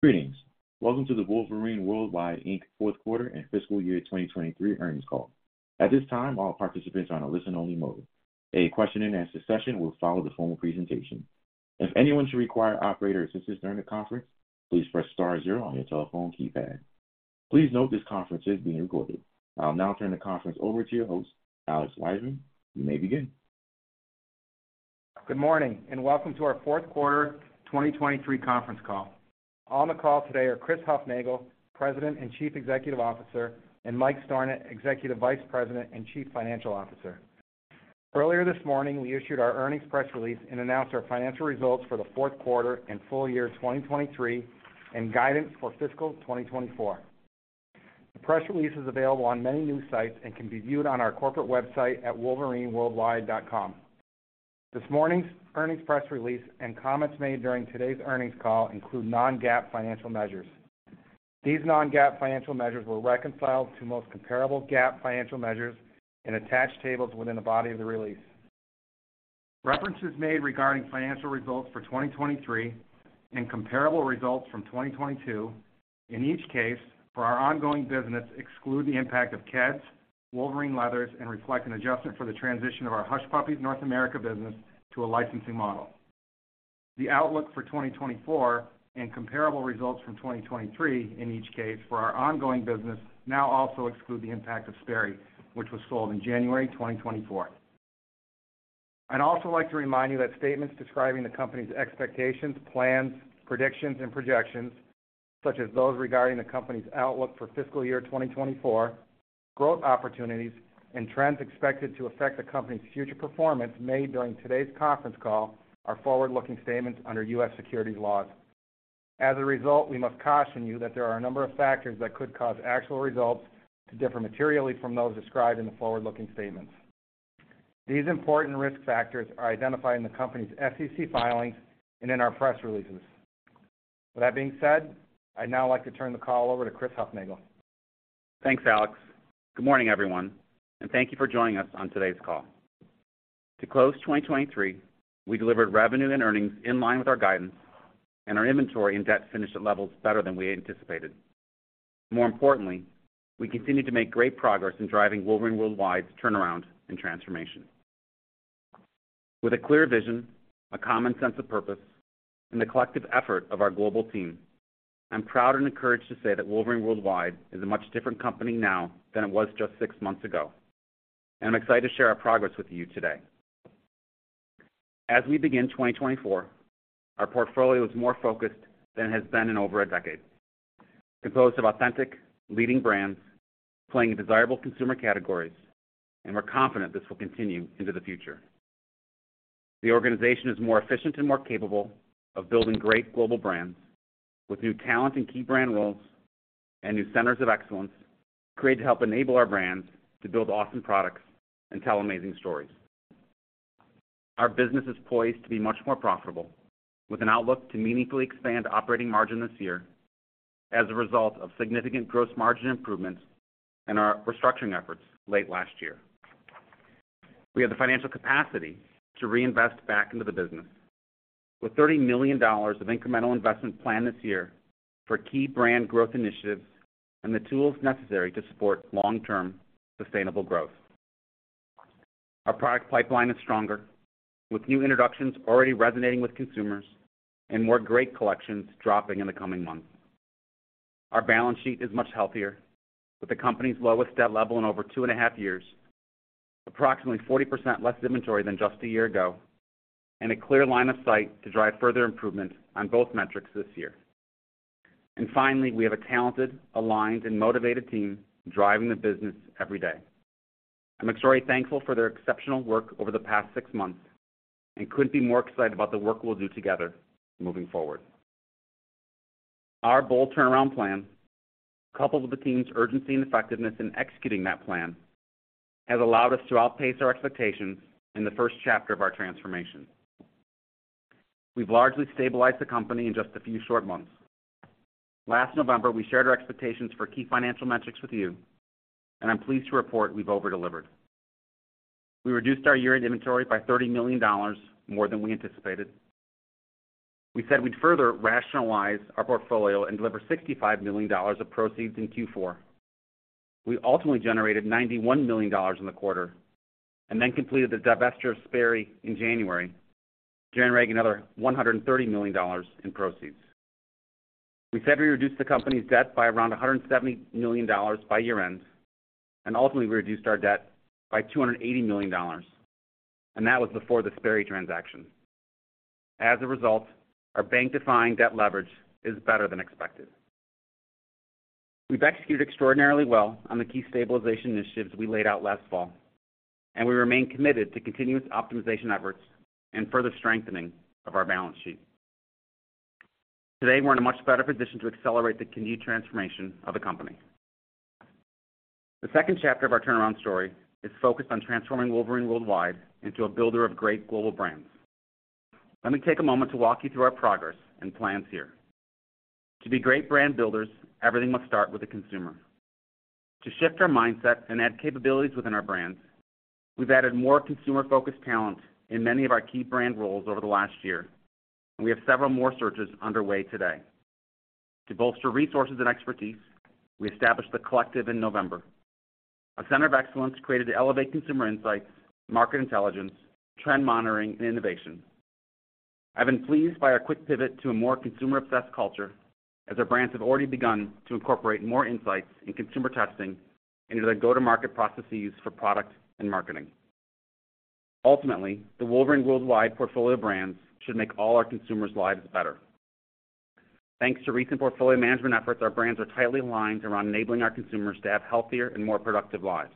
Greetings. Welcome to the Wolverine World Wide, Inc Fourth Quarter and Fiscal Year 2023 Earnings Call. At this time, all participants are on a listen-only mode. A question-and-answer session will follow the formal presentation. If anyone should require operator assistance during the conference, please press star zero on your telephone keypad. Please note this conference is being recorded. I'll now turn the conference over to your host, Alex Wiseman. You may begin. Good morning and welcome to our Fourth Quarter 2023 Conference Call. On the call today are Chris Hufnagel, President and Chief Executive Officer, and Mike Stornant, Executive Vice President and Chief Financial Officer. Earlier this morning, we issued our earnings press release and announced our financial results for the fourth quarter and full year 2023 and guidance for fiscal 2024. The press release is available on many news sites and can be viewed on our corporate website at WolverineWorldWide.com. This morning's earnings press release and comments made during today's earnings call include non-GAAP financial measures. These non-GAAP financial measures were reconciled to most comparable GAAP financial measures in attached tables within the body of the release. References made regarding financial results for 2023 and comparable results from 2022, in each case, for our ongoing business exclude the impact of Keds, Wolverine Leathers, and reflect an adjustment for the transition of our Hush Puppies North America business to a licensing model. The outlook for 2024 and comparable results from 2023, in each case, for our ongoing business now also exclude the impact of Sperry, which was sold in January 2024. I'd also like to remind you that statements describing the company's expectations, plans, predictions, and projections, such as those regarding the company's outlook for fiscal year 2024, growth opportunities, and trends expected to affect the company's future performance made during today's conference call are forward-looking statements under U.S. securities laws. As a result, we must caution you that there are a number of factors that could cause actual results to differ materially from those described in the forward-looking statements. These important risk factors are identified in the company's SEC filings and in our press releases. With that being said, I'd now like to turn the call over to Chris Hufnagel. Thanks, Alex. Good morning, everyone, and thank you for joining us on today's call. To close 2023, we delivered revenue and earnings in line with our guidance, and our inventory and debt finished at levels better than we anticipated. More importantly, we continue to make great progress in driving Wolverine World Wide's turnaround and transformation. With a clear vision, a common sense of purpose, and the collective effort of our global team, I'm proud and encouraged to say that Wolverine World Wide is a much different company now than it was just six months ago, and I'm excited to share our progress with you today. As we begin 2024, our portfolio is more focused than it has been in over a decade, composed of authentic, leading brands playing in desirable consumer categories, and we're confident this will continue into the future. The organization is more efficient and more capable of building great global brands with new talent and key brand roles and new centers of excellence created to help enable our brands to build awesome products and tell amazing stories. Our business is poised to be much more profitable with an outlook to meaningfully expand operating margin this year as a result of significant gross margin improvements and our restructuring efforts late last year. We have the financial capacity to reinvest back into the business with $30 million of incremental investment planned this year for key brand growth initiatives and the tools necessary to support long-term sustainable growth. Our product pipeline is stronger, with new introductions already resonating with consumers and more great collections dropping in the coming months. Our balance sheet is much healthier, with the company's lowest debt level in over 2.5 years, approximately 40% less inventory than just a year ago, and a clear line of sight to drive further improvement on both metrics this year. And finally, we have a talented, aligned, and motivated team driving the business every day. I'm extremely thankful for their exceptional work over the past six months and couldn't be more excited about the work we'll do together moving forward. Our bold turnaround plan, coupled with the team's urgency and effectiveness in executing that plan, has allowed us to outpace our expectations in the first chapter of our transformation. We've largely stabilized the company in just a few short months. Last November, we shared our expectations for key financial metrics with you, and I'm pleased to report we've overdelivered. We reduced our year-end inventory by $30 million more than we anticipated. We said we'd further rationalize our portfolio and deliver $65 million of proceeds in Q4. We ultimately generated $91 million in the quarter and then completed the divestiture of Sperry in January, generating another $130 million in proceeds. We said we reduced the company's debt by around $170 million by year-end and ultimately reduced our debt by $280 million, and that was before the Sperry transaction. As a result, our bank-defined debt leverage is better than expected. We've executed extraordinarily well on the key stabilization initiatives we laid out last fall, and we remain committed to continuous optimization efforts and further strengthening of our balance sheet. Today, we're in a much better position to accelerate the continued transformation of the company. The second chapter of our turnaround story is focused on transforming Wolverine World Wide into a builder of great global brands. Let me take a moment to walk you through our progress and plans here. To be great brand builders, everything must start with the consumer. To shift our mindset and add capabilities within our brands, we've added more consumer-focused talent in many of our key brand roles over the last year, and we have several more searches underway today. To bolster resources and expertise, we established the Collective in November, a center of excellence created to elevate consumer insights, market intelligence, trend monitoring, and innovation. I've been pleased by our quick pivot to a more consumer-obsessed culture as our brands have already begun to incorporate more insights and consumer testing into their go-to-market processes for product and marketing. Ultimately, the Wolverine World Wide portfolio of brands should make all our consumers' lives better. Thanks to recent portfolio management efforts, our brands are tightly aligned around enabling our consumers to have healthier and more productive lives.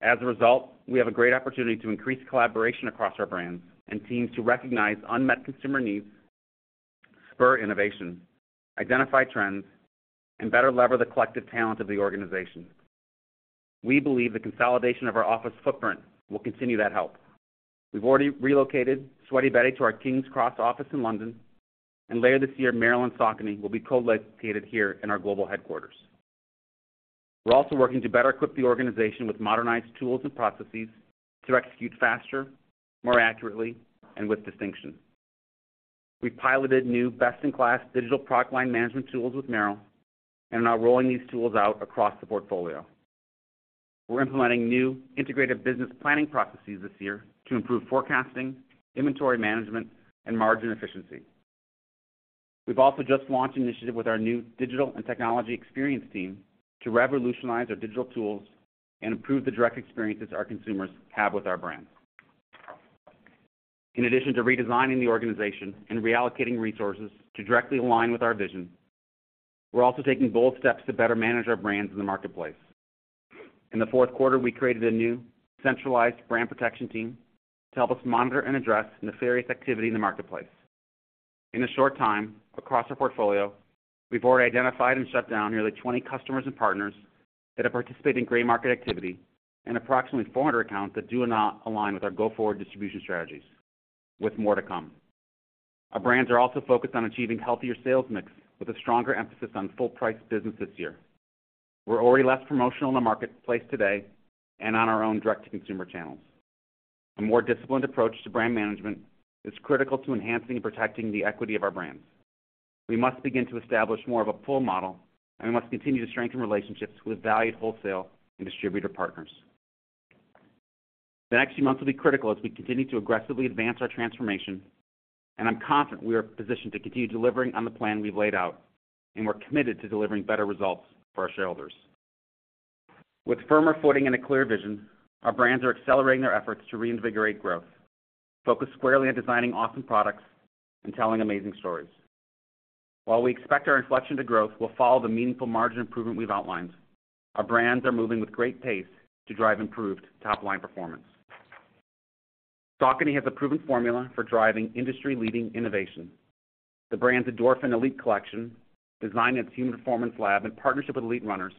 As a result, we have a great opportunity to increase collaboration across our brands and teams to recognize unmet consumer needs, spur innovation, identify trends, and better lever the collective talent of the organization. We believe the consolidation of our office footprint will continue that help. We've already relocated Sweaty Betty to our King's Cross office in London, and later this year, Merrell & Saucony will be co-located here in our global headquarters. We're also working to better equip the organization with modernized tools and processes to execute faster, more accurately, and with distinction. We've piloted new best-in-class digital product line management tools with Merrell, and we're now rolling these tools out across the portfolio. We're implementing new integrated business planning processes this year to improve forecasting, inventory management, and margin efficiency. We've also just launched an initiative with our new digital and technology experience team to revolutionize our digital tools and improve the direct experiences our consumers have with our brands. In addition to redesigning the organization and reallocating resources to directly align with our vision, we're also taking bold steps to better manage our brands in the marketplace. In the fourth quarter, we created a new centralized brand protection team to help us monitor and address nefarious activity in the marketplace. In a short time across our portfolio, we've already identified and shut down nearly 20 customers and partners that have participated in gray market activity and approximately 400 accounts that do not align with our go-forward distribution strategies, with more to come. Our brands are also focused on achieving healthier sales mix with a stronger emphasis on full-priced business this year. We're already less promotional in the marketplace today and on our own direct-to-consumer channels. A more disciplined approach to brand management is critical to enhancing and protecting the equity of our brands. We must begin to establish more of a pull model, and we must continue to strengthen relationships with valued wholesale and distributor partners. The next few months will be critical as we continue to aggressively advance our transformation, and I'm confident we are positioned to continue delivering on the plan we've laid out, and we're committed to delivering better results for our shareholders. With firmer footing and a clear vision, our brands are accelerating their efforts to reinvigorate growth, focus squarely on designing awesome products and telling amazing stories. While we expect our inflection to growth will follow the meaningful margin improvement we've outlined, our brands are moving with great pace to drive improved top-line performance. Saucony has a proven formula for driving industry-leading innovation. The brand's Endorphin Elite collection, designed at its Human Performance Lab in partnership with elite runners,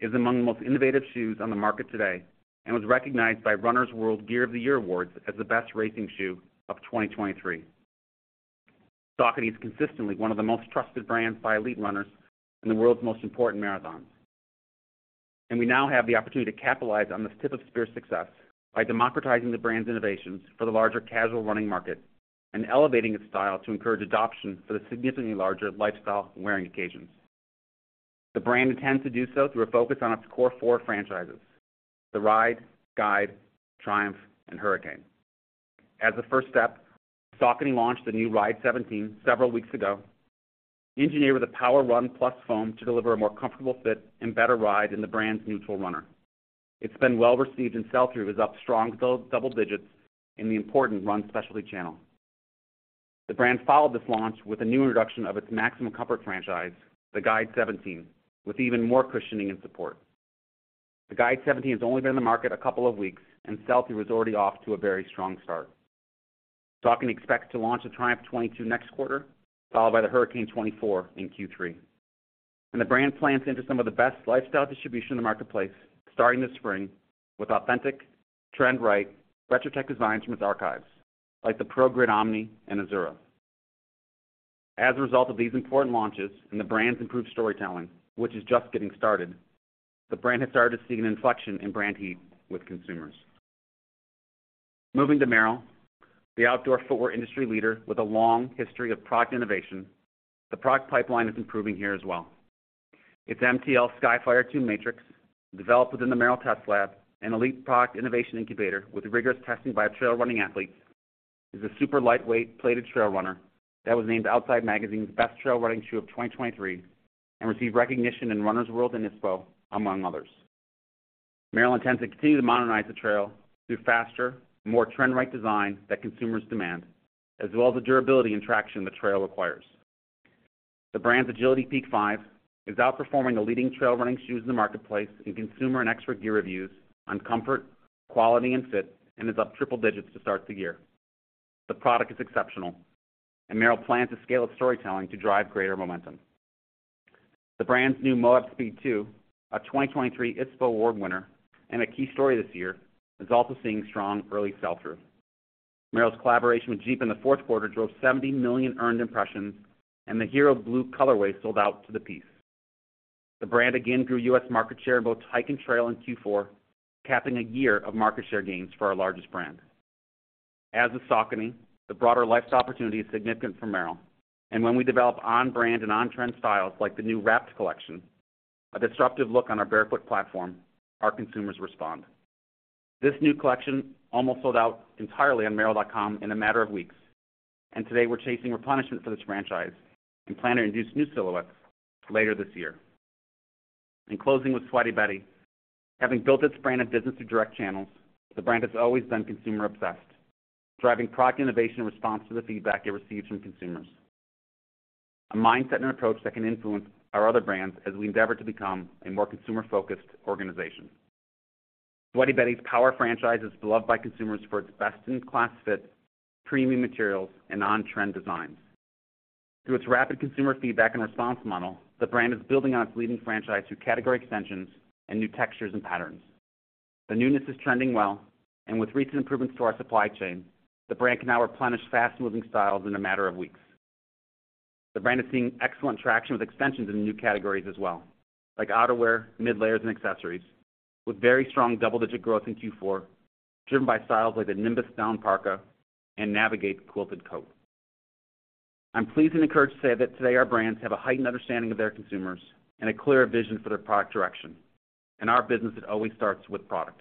is among the most innovative shoes on the market today and was recognized by Runner's World Gear of the Year Awards as the best racing shoe of 2023. Saucony is consistently one of the most trusted brands by elite runners in the world's most important marathons. We now have the opportunity to capitalize on this tip-of-spear success by democratizing the brand's innovations for the larger casual running market and elevating its style to encourage adoption for the significantly larger lifestyle wearing occasions. The brand intends to do so through a focus on its core four franchises: the Ride, Guide, Triumph, and Hurricane. As a first step, Saucony launched the new Ride 17 several weeks ago, engineered with a PWRRUN+ foam to deliver a more comfortable fit and better ride in the brand's neutral runner. It's been well received and sell-through is up strong double digits in the important run specialty channel. The brand followed this launch with a new introduction of its maximum comfort franchise, the Guide 17, with even more cushioning and support. The Guide 17 has only been in the market a couple of weeks, and sell-through is already off to a very strong start. Saucony expects to launch the Triumph 22 next quarter, followed by the Hurricane 24 in Q3. And the brand plans to enter some of the best lifestyle distribution in the marketplace starting this spring with authentic, trend-right, retro-tech designs from its archives, like the ProGrid Omni and Azura. As a result of these important launches and the brand's improved storytelling, which is just getting started, the brand has started to seek an inflection and brand heat with consumers. Moving to Merrell, the outdoor footwear industry leader with a long history of product innovation, the product pipeline is improving here as well. Its MTL Skyfire 2 Matryx, developed within the Merrell Test Lab, an elite product innovation incubator with rigorous testing by trail-running athletes, is a super lightweight plated trail runner that was named Outside Magazine's Best Trail Running Shoe of 2023 and received recognition in Runner's World and ISPO, among others. Merrell intends to continue to modernize the trail through faster, more trend-right design that consumers demand, as well as the durability and traction the trail requires. The brand's Agility Peak 5 is outperforming the leading trail-running shoes in the marketplace in consumer and expert gear reviews on comfort, quality, and fit, and is up triple digits to start the year. The product is exceptional, and Merrell plans to scale its storytelling to drive greater momentum. The brand's new Moab Speed 2, a 2023 ISPO award winner and a key story this year, is also seeing strong early sell-through. Merrell's collaboration with Jeep in the fourth quarter drove 70 million earned impressions, and the Hydro Blue colorway sold out to the piece. The brand again grew U.S. market share in both hike & trail and Q4, capping a year of market share gains for our largest brand. As with Saucony, the broader lifestyle opportunity is significant for Merrell, and when we develop on-brand and on-trend styles like the new Wrapt collection, a disruptive look on our barefoot platform, our consumers respond. This new collection almost sold out entirely on merrell.com in a matter of weeks, and today we're chasing replenishment for this franchise and plan to introduce new silhouettes later this year. In closing with Sweaty Betty, having built its brand of business through direct channels, the brand has always been consumer-obsessed, driving product innovation in response to the feedback it receives from consumers, a mindset and approach that can influence our other brands as we endeavor to become a more consumer-focused organization. Sweaty Betty's Power franchise is beloved by consumers for its best-in-class fit, premium materials, and on-trend designs. Through its rapid consumer feedback and response model, the brand is building on its leading franchise through category extensions and new textures and patterns. The newness is trending well, and with recent improvements to our supply chain, the brand can now replenish fast-moving styles in a matter of weeks. The brand is seeing excellent traction with extensions in new categories as well, like outerwear, mid-layers, and accessories, with very strong double-digit growth in Q4 driven by styles like the Nimbus Down Parka and Navigate Quilted Coat. I'm pleased and encouraged to say that today our brands have a heightened understanding of their consumers and a clearer vision for their product direction, and our business that always starts with product.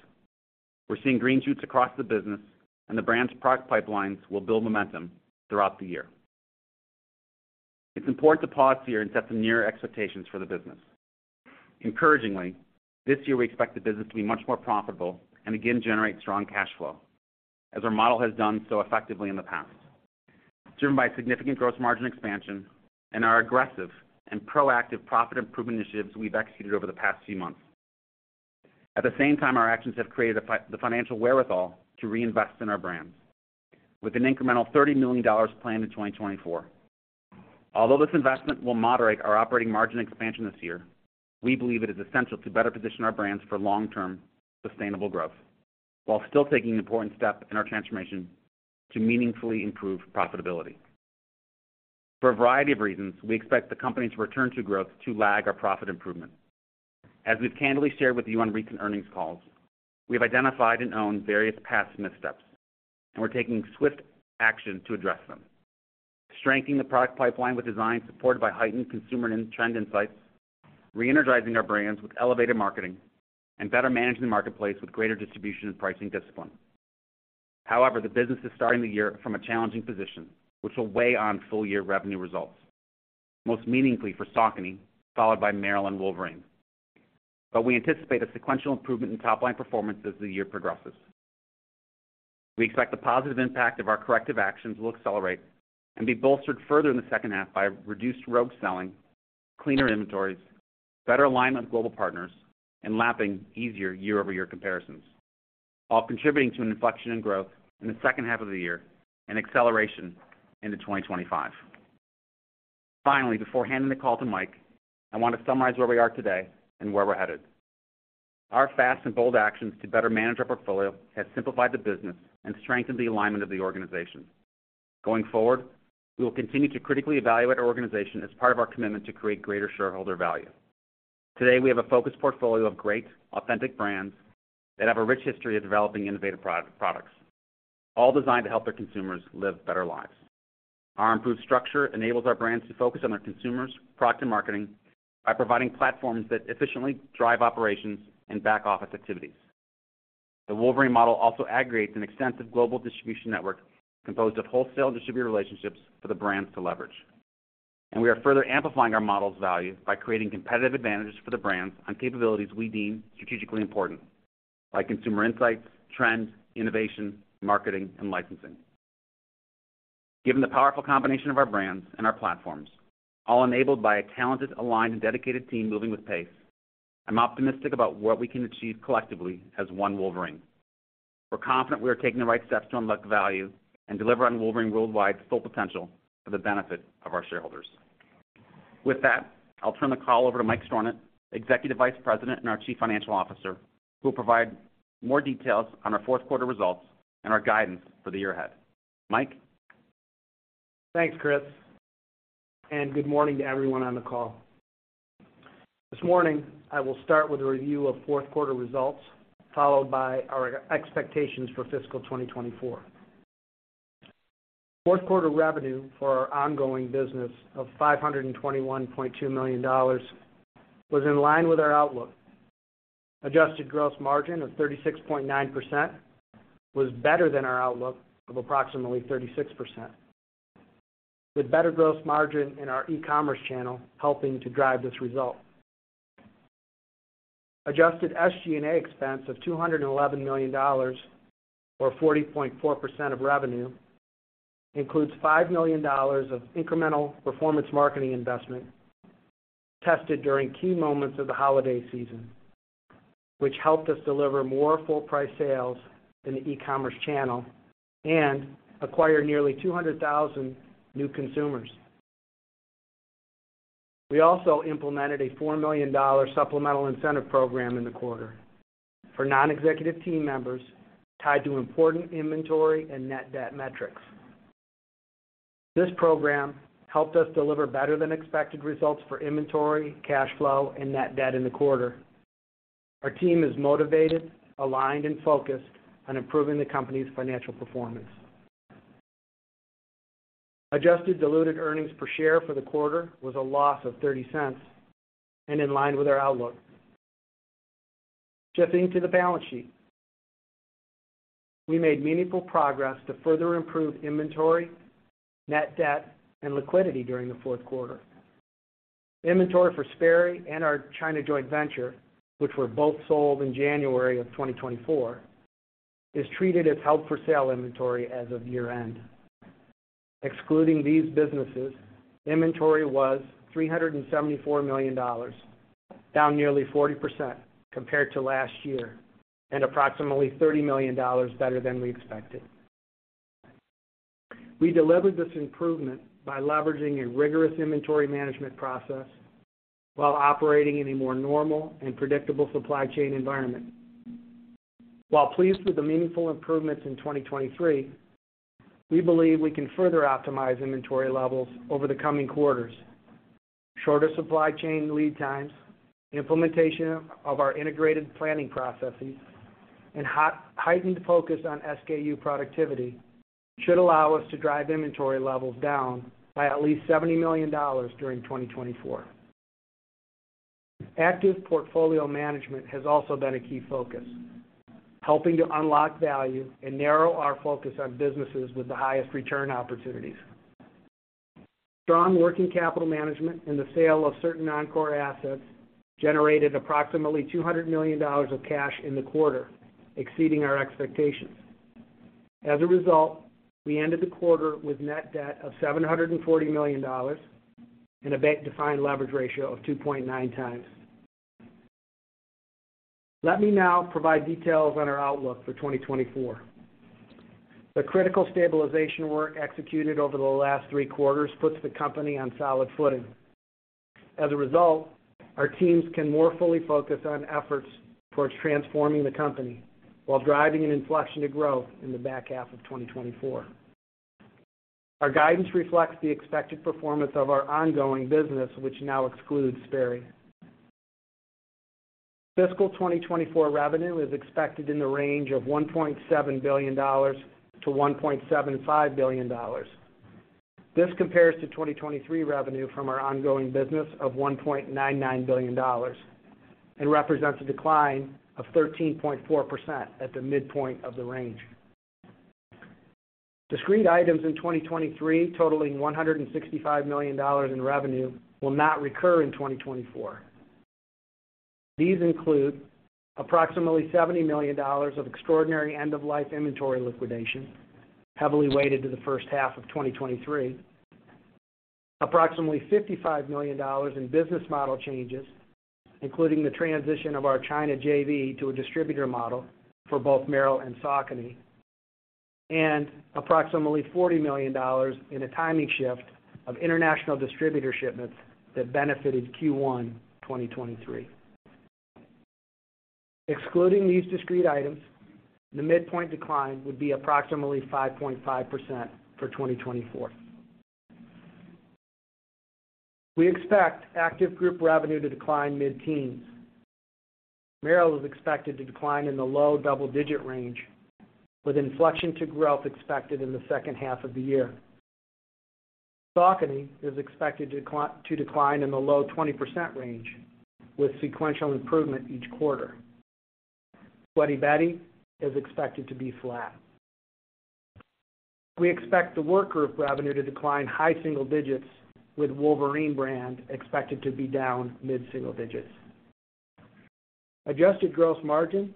We're seeing green shoots across the business, and the brand's product pipelines will build momentum throughout the year. It's important to pause here and set some newer expectations for the business. Encouragingly, this year we expect the business to be much more profitable and again generate strong cash flow, as our model has done so effectively in the past, driven by significant gross margin expansion and our aggressive and proactive profit improvement initiatives we've executed over the past few months. At the same time, our actions have created the financial wherewithal to reinvest in our brands, with an incremental $30 million planned in 2024. Although this investment will moderate our operating margin expansion this year, we believe it is essential to better position our brands for long-term sustainable growth while still taking an important step in our transformation to meaningfully improve profitability. For a variety of reasons, we expect the company's return to growth to lag our profit improvement. As we've candidly shared with you on recent earnings calls, we have identified and owned various past missteps, and we're taking swift action to address them, strengthening the product pipeline with designs supported by heightened consumer and trend insights, reenergizing our brands with elevated marketing, and better managing the marketplace with greater distribution and pricing discipline. However, the business is starting the year from a challenging position, which will weigh on full-year revenue results, most meaningfully for Saucony, followed by Merrell and Wolverine. But we anticipate a sequential improvement in top-line performance as the year progresses. We expect the positive impact of our corrective actions will accelerate and be bolstered further in the second half by reduced rogue selling, cleaner inventories, better alignment with global partners, and lapping easier year-over-year comparisons, all contributing to an inflection in growth in the second half of the year and acceleration into 2025. Finally, before handing the call to Mike, I want to summarize where we are today and where we're headed. Our fast and bold actions to better manage our portfolio have simplified the business and strengthened the alignment of the organization. Going forward, we will continue to critically evaluate our organization as part of our commitment to create greater shareholder value. Today, we have a focused portfolio of great, authentic brands that have a rich history of developing innovative products, all designed to help their consumers live better lives. Our improved structure enables our brands to focus on their consumers, product, and marketing by providing platforms that efficiently drive operations and back office activities. The Wolverine model also aggregates an extensive global distribution network composed of wholesale and distributor relationships for the brands to leverage. We are further amplifying our model's value by creating competitive advantages for the brands on capabilities we deem strategically important, like consumer insights, trends, innovation, marketing, and licensing. Given the powerful combination of our brands and our platforms, all enabled by a talented, aligned, and dedicated team moving with pace, I'm optimistic about what we can achieve collectively as one Wolverine. We're confident we are taking the right steps to unlock value and deliver on Wolverine World Wide's full potential for the benefit of our shareholders. With that, I'll turn the call over to Mike Stornant, Executive Vice President and our Chief Financial Officer, who will provide more details on our fourth quarter results and our guidance for the year ahead. Mike? Thanks, Chris. Good morning to everyone on the call. This morning, I will start with a review of fourth quarter results, followed by our expectations for fiscal 2024. Fourth quarter revenue for our ongoing business of $521.2 million was in line with our outlook. Adjusted gross margin of 36.9% was better than our outlook of approximately 36%, with better gross margin in our e-commerce channel helping to drive this result. Adjusted SG&A expense of $211 million, or 40.4% of revenue, includes $5 million of incremental performance marketing investment tested during key moments of the holiday season, which helped us deliver more full-price sales in the e-commerce channel and acquire nearly 200,000 new consumers. We also implemented a $4 million supplemental incentive program in the quarter for non-executive team members tied to important inventory and net debt metrics. This program helped us deliver better-than-expected results for inventory, cash flow, and net debt in the quarter. Our team is motivated, aligned, and focused on improving the company's financial performance. Adjusted diluted earnings per share for the quarter was a loss of $0.30 and in line with our outlook. Shifting to the balance sheet, we made meaningful progress to further improve inventory, net debt, and liquidity during the fourth quarter. Inventory for Sperry and our China joint venture, which were both sold in January of 2024, is treated as held-for-sale inventory as of year-end. Excluding these businesses, inventory was $374 million, down nearly 40% compared to last year and approximately $30 million better than we expected. We delivered this improvement by leveraging a rigorous inventory management process while operating in a more normal and predictable supply chain environment. While pleased with the meaningful improvements in 2023, we believe we can further optimize inventory levels over the coming quarters. Shorter supply chain lead times, implementation of our integrated planning processes, and heightened focus on SKU productivity should allow us to drive inventory levels down by at least $70 million during 2024. Active portfolio management has also been a key focus, helping to unlock value and narrow our focus on businesses with the highest return opportunities. Strong working capital management and the sale of certain non-core assets generated approximately $200 million of cash in the quarter, exceeding our expectations. As a result, we ended the quarter with net debt of $740 million and a bank-defined leverage ratio of 2.9x. Let me now provide details on our outlook for 2024. The critical stabilization work executed over the last three quarters puts the company on solid footing. As a result, our teams can more fully focus on efforts towards transforming the company while driving an inflection to growth in the back half of 2024. Our guidance reflects the expected performance of our ongoing business, which now excludes Sperry. Fiscal 2024 revenue is expected in the range of $1.7 billion-$1.75 billion. This compares to 2023 revenue from our ongoing business of $1.99 billion and represents a decline of 13.4% at the midpoint of the range. Discrete items in 2023 totaling $165 million in revenue will not recur in 2024. These include approximately $70 million of extraordinary end-of-life inventory liquidation, heavily weighted to the first half of 2023, approximately $55 million in business model changes, including the transition of our China JV to a distributor model for both Merrell and Saucony, and approximately $40 million in a timing shift of international distributor shipments that benefited Q1 2023. Excluding these discrete items, the midpoint decline would be approximately 5.5% for 2024. We expect Active Group revenue to decline mid-teens. Merrell is expected to decline in the low double-digit range, with inflection to growth expected in the second half of the year. Saucony is expected to decline in the low 20% range, with sequential improvement each quarter. Sweaty Betty is expected to be flat. We expect the Work Group revenue to decline high single digits, with Wolverine brand expected to be down mid-single digits. Adjusted gross margin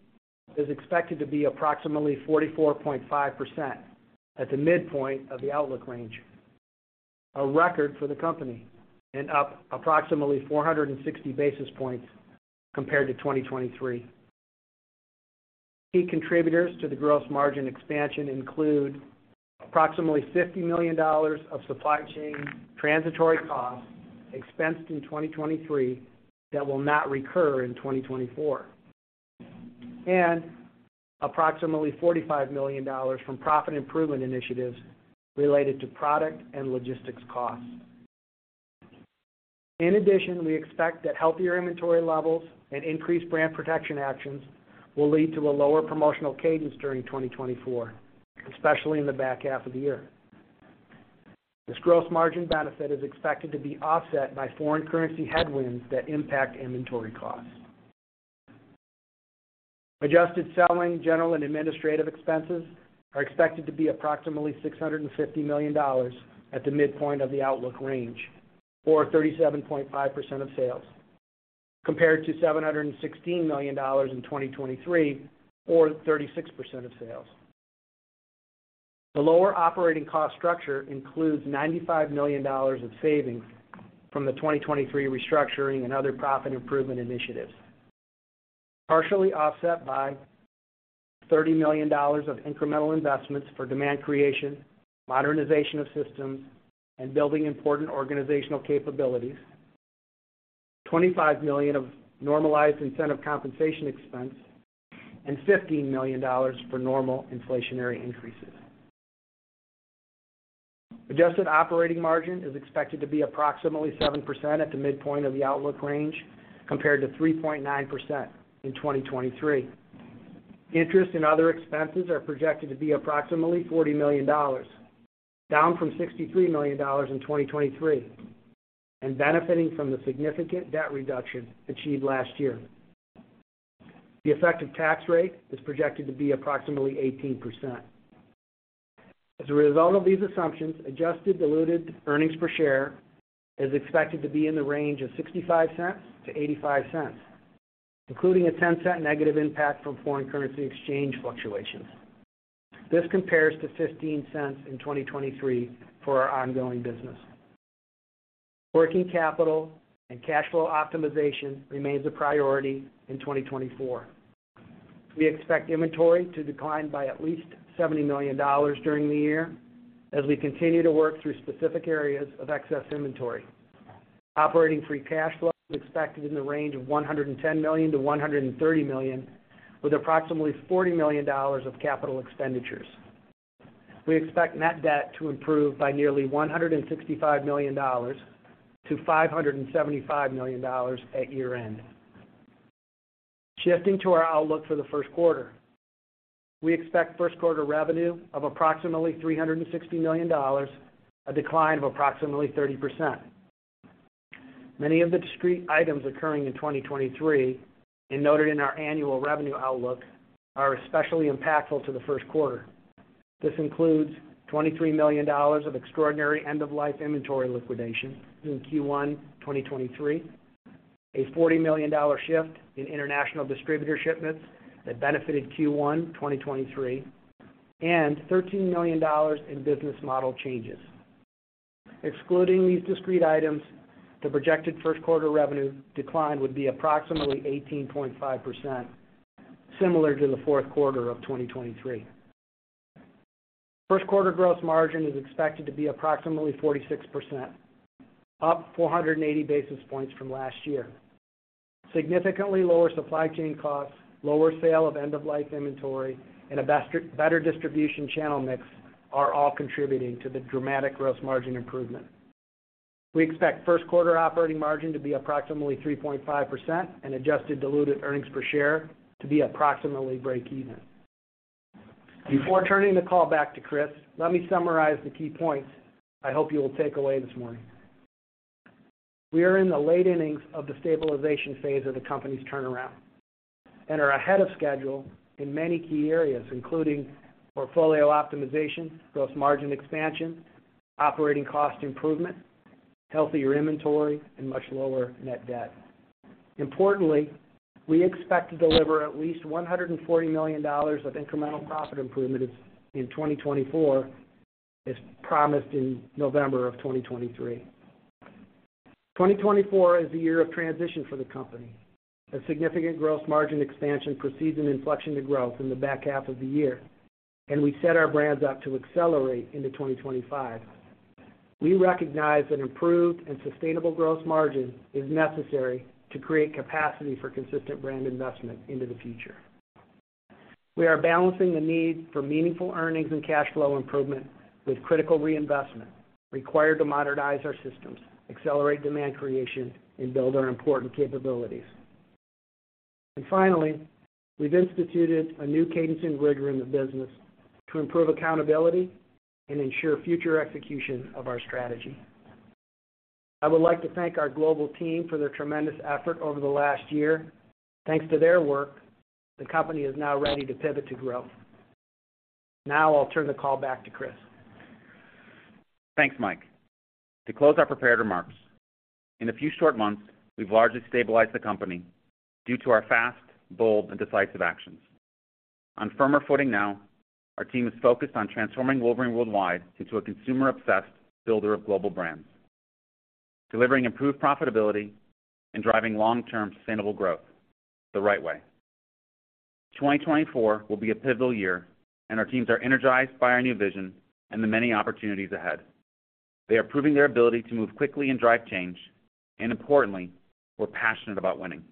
is expected to be approximately 44.5% at the midpoint of the outlook range, a record for the company and up approximately 460 basis points compared to 2023. Key contributors to the gross margin expansion include approximately $50 million of supply chain transitory costs expensed in 2023 that will not recur in 2024, and approximately $45 million from profit improvement initiatives related to product and logistics costs. In addition, we expect that healthier inventory levels and increased brand protection actions will lead to a lower promotional cadence during 2024, especially in the back half of the year. This gross margin benefit is expected to be offset by foreign currency headwinds that impact inventory costs. Adjusted selling general and administrative expenses are expected to be approximately $650 million at the midpoint of the outlook range, or 37.5% of sales, compared to $716 million in 2023, or 36% of sales. The lower operating cost structure includes $95 million of savings from the 2023 restructuring and other profit improvement initiatives, partially offset by $30 million of incremental investments for demand creation, modernization of systems, and building important organizational capabilities, $25 million of normalized incentive compensation expense, and $15 million for normal inflationary increases. Adjusted operating margin is expected to be approximately 7% at the midpoint of the outlook range compared to 3.9% in 2023. Interest and other expenses are projected to be approximately $40 million, down from $63 million in 2023, and benefiting from the significant debt reduction achieved last year. The effective tax rate is projected to be approximately 18%. As a result of these assumptions, adjusted diluted earnings per share is expected to be in the range of $0.65-$0.85, including a $0.10 negative impact from foreign currency exchange fluctuations. This compares to $0.15 in 2023 for our ongoing business. Working capital and cash flow optimization remains a priority in 2024. We expect inventory to decline by at least $70 million during the year as we continue to work through specific areas of excess inventory. Operating Free Cash Flow is expected in the range of $110 million-$130 million, with approximately $40 million of capital expenditures. We expect net debt to improve by nearly $165 million to $575 million at year-end. Shifting to our outlook for the first quarter, we expect first quarter revenue of approximately $360 million, a decline of approximately 30%. Many of the discrete items occurring in 2023 and noted in our annual revenue outlook are especially impactful to the first quarter. This includes $23 million of extraordinary end-of-life inventory liquidation in Q1 2023, a $40 million shift in international distributor shipments that benefited Q1 2023, and $13 million in business model changes. Excluding these discrete items, the projected first quarter revenue decline would be approximately 18.5%, similar to the fourth quarter of 2023. First quarter gross margin is expected to be approximately 46%, up 480 basis points from last year. Significantly lower supply chain costs, lower sale of end-of-life inventory, and a better distribution channel mix are all contributing to the dramatic gross margin improvement. We expect first quarter operating margin to be approximately 3.5% and adjusted diluted earnings per share to be approximately break-even. Before turning the call back to Chris, let me summarize the key points I hope you will take away this morning. We are in the late innings of the stabilization phase of the company's turnaround and are ahead of schedule in many key areas, including portfolio optimization, gross margin expansion, operating cost improvement, healthier inventory, and much lower net debt. Importantly, we expect to deliver at least $140 million of incremental profit improvement in 2024, as promised in November of 2023. 2024 is a year of transition for the company. A significant gross margin expansion precedes an inflection to growth in the back half of the year, and we set our brands up to accelerate into 2025. We recognize that improved and sustainable gross margin is necessary to create capacity for consistent brand investment into the future. We are balancing the need for meaningful earnings and cash flow improvement with critical reinvestment required to modernize our systems, accelerate demand creation, and build our important capabilities. Finally, we've instituted a new cadence and rigor in the business to improve accountability and ensure future execution of our strategy. I would like to thank our global team for their tremendous effort over the last year. Thanks to their work, the company is now ready to pivot to growth. Now I'll turn the call back to Chris. Thanks, Mike. To close our prepared remarks, in a few short months, we've largely stabilized the company due to our fast, bold, and decisive actions. On firmer footing now, our team is focused on transforming Wolverine World Wide into a consumer-obsessed builder of global brands, delivering improved profitability, and driving long-term sustainable growth the right way. 2024 will be a pivotal year, and our teams are energized by our new vision and the many opportunities ahead. They are proving their ability to move quickly and drive change. Importantly, we're passionate about winning.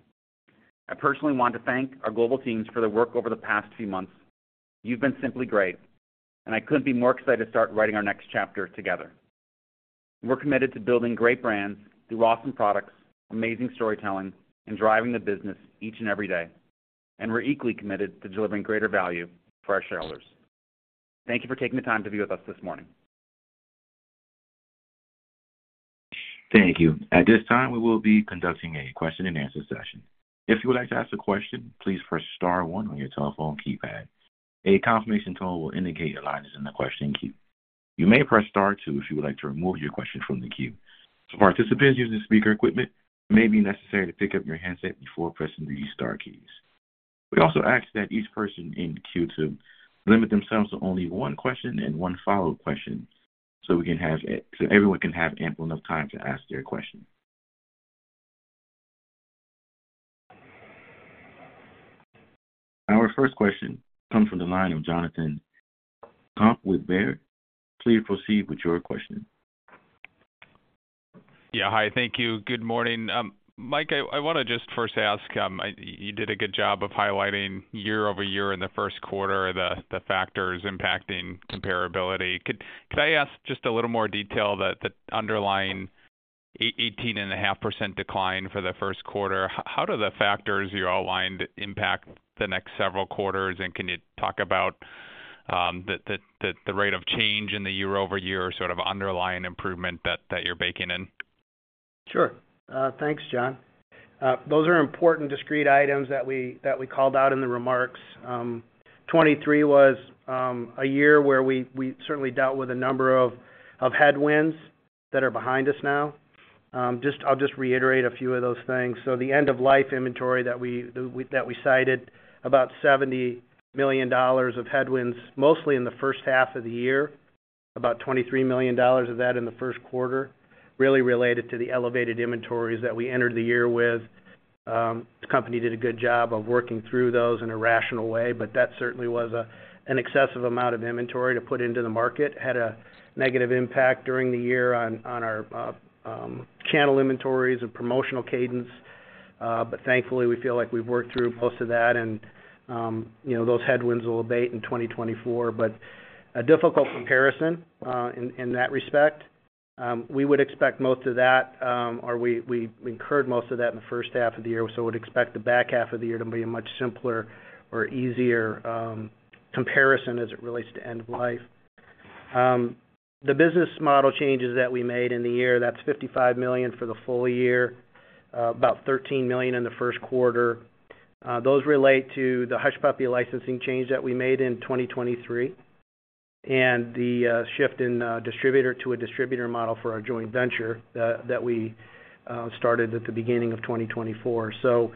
I personally want to thank our global teams for their work over the past few months. You've been simply great, and I couldn't be more excited to start writing our next chapter together. We're committed to building great brands through awesome products, amazing storytelling, and driving the business each and every day. We're equally committed to delivering greater value for our shareholders. Thank you for taking the time to be with us this morning. Thank you. At this time, we will be conducting a question-and-answer session. If you would like to ask a question, please press star one on your telephone keypad. A confirmation tone will indicate alignment in the question queue. You may press star two if you would like to remove your question from the queue. For participants using speaker equipment, it may be necessary to pick up your handset before pressing the star keys. We also ask that each person in the queue limit themselves to only one question and one follow-up question so everyone can have ample enough time to ask their question. Our first question comes from the line of Jonathan Komp with Baird. Please proceed with your question. Yeah. Hi. Thank you. Good morning. Mike, I want to just first ask, you did a good job of highlighting year-over-year in the first quarter the factors impacting comparability. Could I ask just a little more detail? The underlying 18.5% decline for the first quarter, how do the factors you outlined impact the next several quarters? And can you talk about the rate of change in the year-over-year sort of underlying improvement that you're baking in? Sure. Thanks, John. Those are important discrete items that we called out in the remarks. 2023 was a year where we certainly dealt with a number of headwinds that are behind us now. I'll just reiterate a few of those things. So the end-of-life inventory that we cited, about $70 million of headwinds mostly in the first half of the year, about $23 million of that in the first quarter, really related to the elevated inventories that we entered the year with. The company did a good job of working through those in a rational way. But that certainly was an excessive amount of inventory to put into the market, had a negative impact during the year on our channel inventories and promotional cadence. But thankfully, we feel like we've worked through most of that. And those headwinds will abate in 2024. But a difficult comparison in that respect. We would expect most of that or we incurred most of that in the first half of the year. So we'd expect the back half of the year to be a much simpler or easier comparison as it relates to end of life. The business model changes that we made in the year, that's $55 million for the full year, about $13 million in the first quarter. Those relate to the Hush Puppies licensing change that we made in 2023 and the shift to a distributor model for our joint venture that we started at the beginning of 2024. So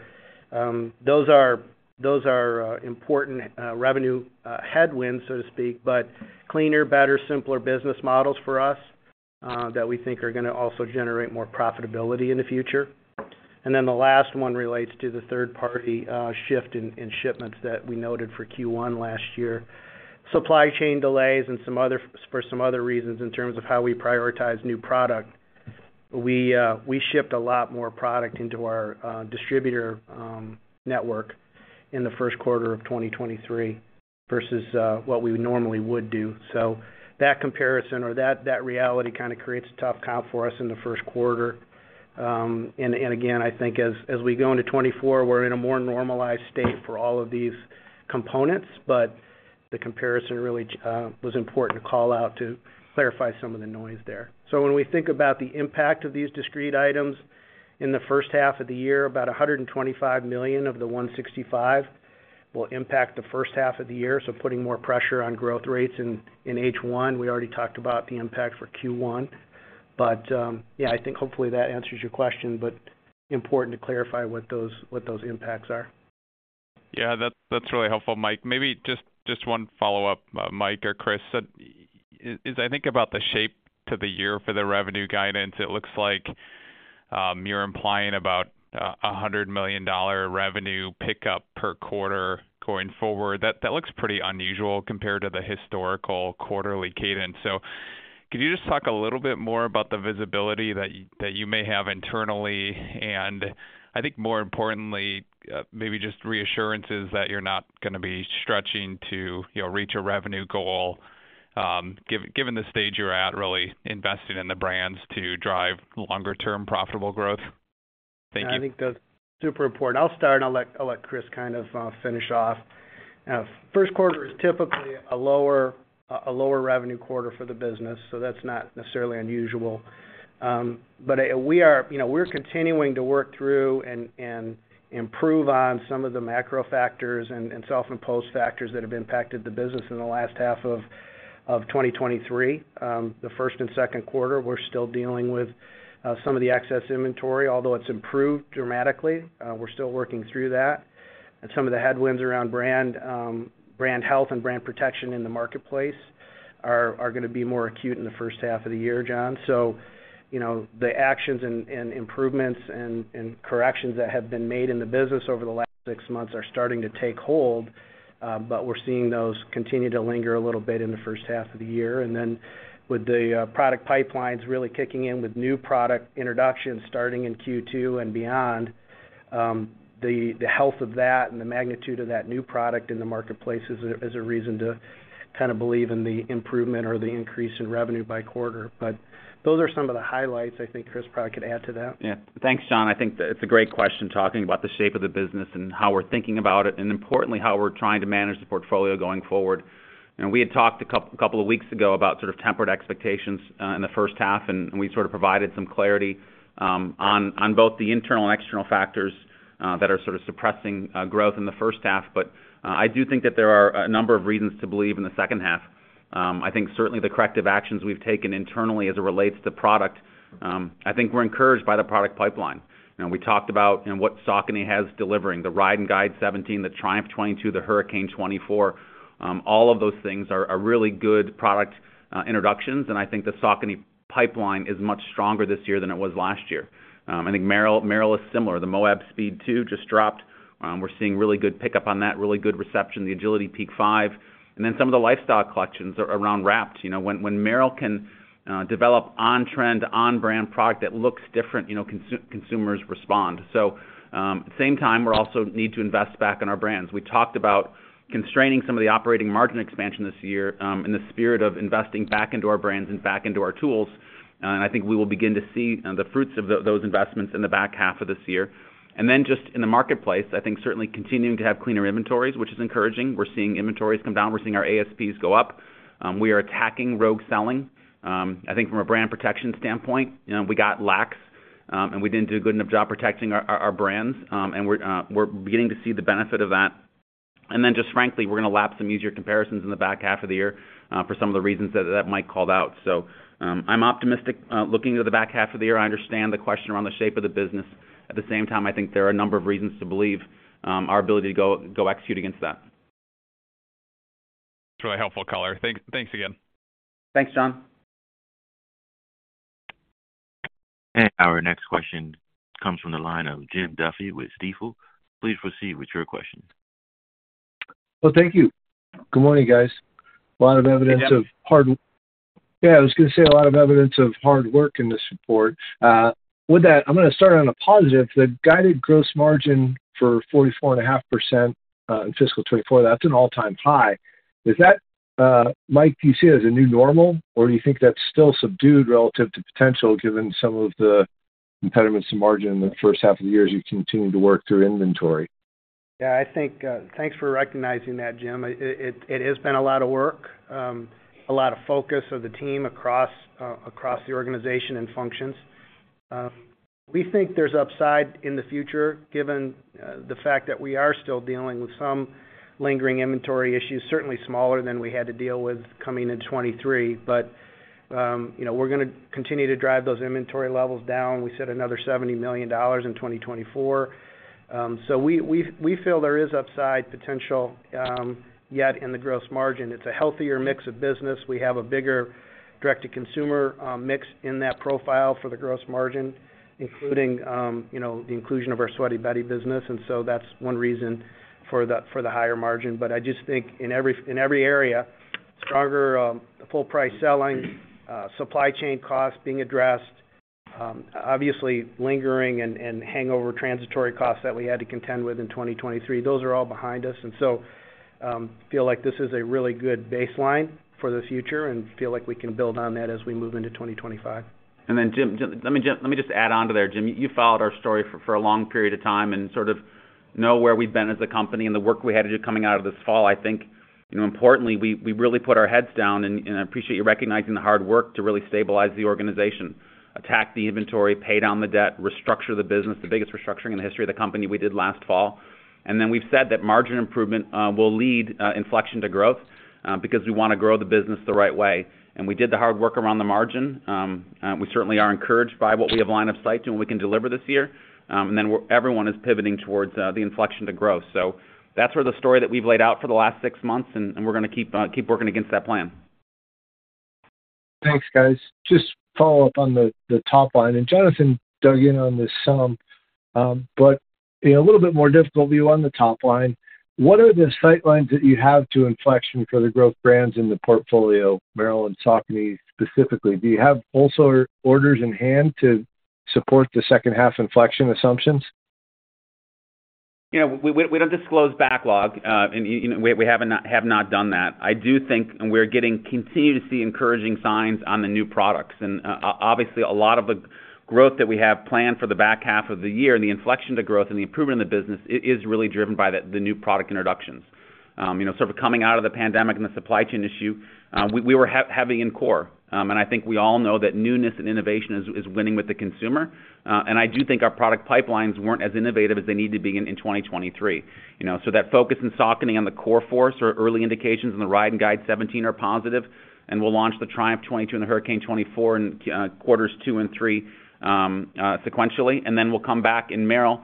those are important revenue headwinds, so to speak, but cleaner, better, simpler business models for us that we think are going to also generate more profitability in the future. And then the last one relates to the third-party shift in shipments that we noted for Q1 last year. Supply chain delays and some other reasons in terms of how we prioritize new product, we shipped a lot more product into our distributor network in the first quarter of 2023 versus what we normally would do. So that comparison or that reality kind of creates a tough count for us in the first quarter. And again, I think as we go into 2024, we're in a more normalized state for all of these components. But the comparison really was important to call out to clarify some of the noise there. So when we think about the impact of these discrete items in the first half of the year, about $125 million of the $165 million will impact the first half of the year. So putting more pressure on growth rates in H1, we already talked about the impact for Q1. But yeah, I think hopefully that answers your question, but important to clarify what those impacts are. Yeah, that's really helpful, Mike. Maybe just one follow-up, Mike or Chris. As I think about the shape to the year for the revenue guidance, it looks like you're implying about $100 million revenue pickup per quarter going forward. That looks pretty unusual compared to the historical quarterly cadence. So could you just talk a little bit more about the visibility that you may have internally? And I think more importantly, maybe just reassurances that you're not going to be stretching to reach a revenue goal given the stage you're at really investing in the brands to drive longer-term profitable growth. Thank you. I think that's super important. I'll start, and I'll let Chris kind of finish off. First quarter is typically a lower revenue quarter for the business. So that's not necessarily unusual. But we're continuing to work through and improve on some of the macro factors and self-imposed factors that have impacted the business in the last half of 2023. The first and second quarter, we're still dealing with some of the excess inventory, although it's improved dramatically. We're still working through that. And some of the headwinds around brand health and brand protection in the marketplace are going to be more acute in the first half of the year, John. So the actions and improvements and corrections that have been made in the business over the last six months are starting to take hold. But we're seeing those continue to linger a little bit in the first half of the year. And then with the product pipelines really kicking in with new product introductions starting in Q2 and beyond, the health of that and the magnitude of that new product in the marketplace is a reason to kind of believe in the improvement or the increase in revenue by quarter. But those are some of the highlights. I think Chris probably could add to that. Yeah. Thanks, John. I think it's a great question talking about the shape of the business and how we're thinking about it and importantly, how we're trying to manage the portfolio going forward. We had talked a couple of weeks ago about sort of tempered expectations in the first half, and we sort of provided some clarity on both the internal and external factors that are sort of suppressing growth in the first half. But I do think that there are a number of reasons to believe in the second half. I think certainly the corrective actions we've taken internally as it relates to product, I think we're encouraged by the product pipeline. We talked about what Saucony has delivering, the Ride and Guide 17, the Triumph 22, the Hurricane 24. All of those things are really good product introductions. And I think the Saucony pipeline is much stronger this year than it was last year. I think Merrell is similar. The Moab Speed 2 just dropped. We're seeing really good pickup on that, really good reception, the Agility Peak 5. And then some of the lifestyle collections are around Wrapped. When Merrell can develop on-trend, on-brand product that looks different, consumers respond. So at the same time, we also need to invest back in our brands. We talked about constraining some of the operating margin expansion this year in the spirit of investing back into our brands and back into our tools. And I think we will begin to see the fruits of those investments in the back half of this year. And then just in the marketplace, I think certainly continuing to have cleaner inventories, which is encouraging. We're seeing inventories come down. We're seeing our ASPs go up. We are attacking rogue selling. I think from a brand protection standpoint, we got lax, and we didn't do a good enough job protecting our brands. And we're beginning to see the benefit of that. And then just frankly, we're going to lap some easier comparisons in the back half of the year for some of the reasons that Mike called out. So I'm optimistic looking into the back half of the year. I understand the question around the shape of the business. At the same time, I think there are a number of reasons to believe our ability to go execute against that. That's really helpful color. Thanks again. Thanks, John. Our next question comes from the line of Jim Duffy with Stifel. Please proceed with your question. Well, thank you. Good morning, guys. A lot of evidence of hard yeah, I was going to say a lot of evidence of hard work in this report. I'm going to start on a positive. The guided gross margin for 44.5% in fiscal 2024, that's an all-time high. Mike, do you see it as a new normal, or do you think that's still subdued relative to potential given some of the impediments to margin in the first half of the years you've continued to work through inventory? Yeah. Thanks for recognizing that, Jim. It has been a lot of work, a lot of focus of the team across the organization and functions. We think there's upside in the future given the fact that we are still dealing with some lingering inventory issues, certainly smaller than we had to deal with coming into 2023. But we're going to continue to drive those inventory levels down. We set another $70 million in 2024. So we feel there is upside potential yet in the gross margin. It's a healthier mix of business. We have a bigger direct-to-consumer mix in that profile for the gross margin, including the inclusion of our Sweaty Betty business. And so that's one reason for the higher margin. But I just think in every area, the full-price selling, supply chain costs being addressed, obviously lingering and hangover transitory costs that we had to contend with in 2023, those are all behind us. So I feel like this is a really good baseline for the future and feel like we can build on that as we move into 2025. And then let me just add on to there, Jim. You followed our story for a long period of time and sort of know where we've been as a company and the work we had to do coming out of this fall. I think importantly, we really put our heads down. I appreciate you recognizing the hard work to really stabilize the organization, attack the inventory, pay down the debt, restructure the business, the biggest restructuring in the history of the company we did last fall. Then we've said that margin improvement will lead inflection to growth because we want to grow the business the right way. And we did the hard work around the margin. We certainly are encouraged by what we have line of sight and what we can deliver this year. Everyone is pivoting towards the inflection to growth. That's where the story that we've laid out for the last six months. We're going to keep working against that plan. Thanks, guys. Just follow up on the top line. Jonathan dug in on this some, but a little bit more difficult view on the top line. What are the sightlines that you have to inflection for the growth brands in the portfolio, Merrell and Saucony specifically? Do you have also orders in hand to support the second-half inflection assumptions? We don't disclose backlog. We have not done that. I do think we're continuing to see encouraging signs on the new products. Obviously, a lot of the growth that we have planned for the back half of the year and the inflection to growth and the improvement in the business is really driven by the new product introductions. Sort of coming out of the pandemic and the supply chain issue, we were heavy in core. I think we all know that newness and innovation is winning with the consumer. I do think our product pipelines weren't as innovative as they need to be in 2023. So that focus in Saucony on the core force or early indications in the Ride and Guide 17 are positive. We'll launch the Triumph 22 and the Hurricane 24 in quarters 2 and 3 sequentially. Then we'll come back in Merrell.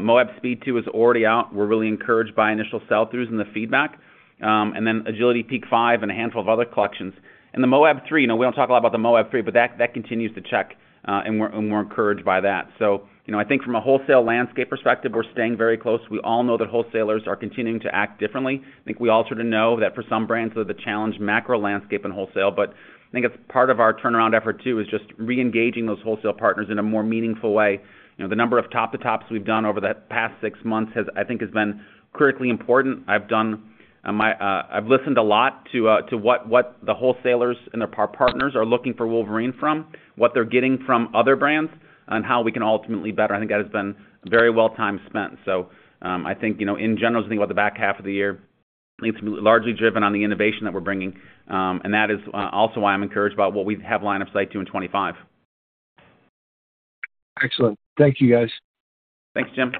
Moab Speed 2 is already out. We're really encouraged by initial sell-throughs and the feedback. And then Agility Peak 5 and a handful of other collections. And the Moab 3, we don't talk a lot about the Moab 3, but that continues to check. And we're encouraged by that. So I think from a wholesale landscape perspective, we're staying very close. We all know that wholesalers are continuing to act differently. I think we all sort of know that for some brands, the challenge macro landscape and wholesale. But I think it's part of our turnaround effort too is just re-engaging those wholesale partners in a more meaningful way. The number of top-to-tops we've done over the past six months, I think, has been critically important. I've listened a lot to what the wholesalers and their partners are looking for Wolverine from, what they're getting from other brands, and how we can ultimately better. I think that has been very well time spent. So I think in general, I think about the back half of the year is largely driven on the innovation that we're bringing. And that is also why I'm encouraged about what we have line of sight to in 2025. Excellent. Thank you, guys. Thanks, Jim.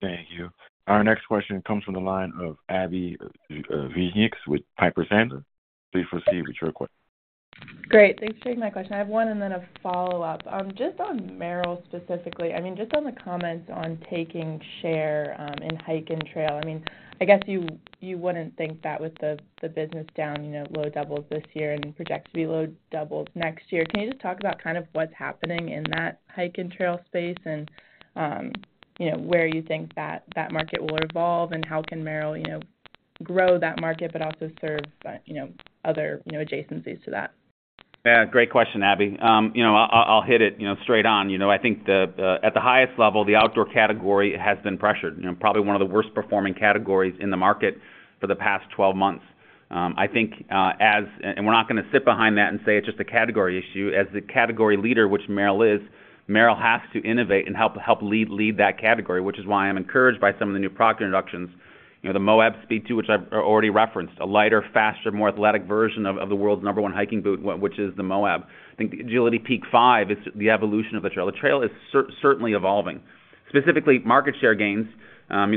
Thank you. Our next question comes from the line of Abbie Zvejnieks with Piper Sandler. Please proceed with your question. Great. Thanks for taking my question. I have one and then a follow-up. Just on Merrell specifically, I mean, just on the comments on taking share in hike and trail, I mean, I guess you wouldn't think that with the business down low doubles this year and projects to be low doubles next year. Can you just talk about kind of what's happening in that hike and trail space and where you think that market will evolve and how can Merrell grow that market but also serve other adjacencies to that? Yeah. Great question, Abbie. I'll hit it straight on. I think at the highest level, the outdoor category has been pressured, probably one of the worst performing categories in the market for the past 12 months. We're not going to sit behind that and say it's just a category issue. As the category leader, which Merrell is, Merrell has to innovate and help lead that category, which is why I'm encouraged by some of the new product introductions, the Moab Speed 2, which I already referenced, a lighter, faster, more athletic version of the world's number one hiking boot, which is the Moab. I think the Agility Peak 5 is the evolution of the trail. The trail is certainly evolving. Specifically, market share gains. In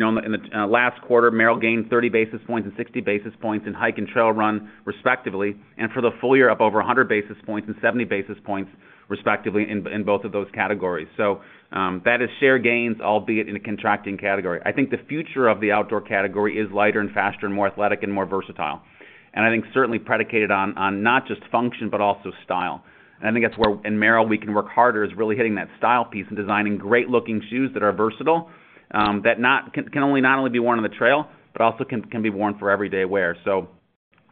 the last quarter, Merrell gained 30 basis points and 60 basis points in hike and trail run, respectively. And for the full year, up over 100 basis points and 70 basis points, respectively, in both of those categories. So that is share gains, albeit in a contracting category. I think the future of the outdoor category is lighter and faster and more athletic and more versatile. And I think certainly predicated on not just function, but also style. And I think that's where in Merrell, we can work harder is really hitting that style piece and designing great-looking shoes that are versatile, that can only be worn on the trail, but also can be worn for everyday wear. So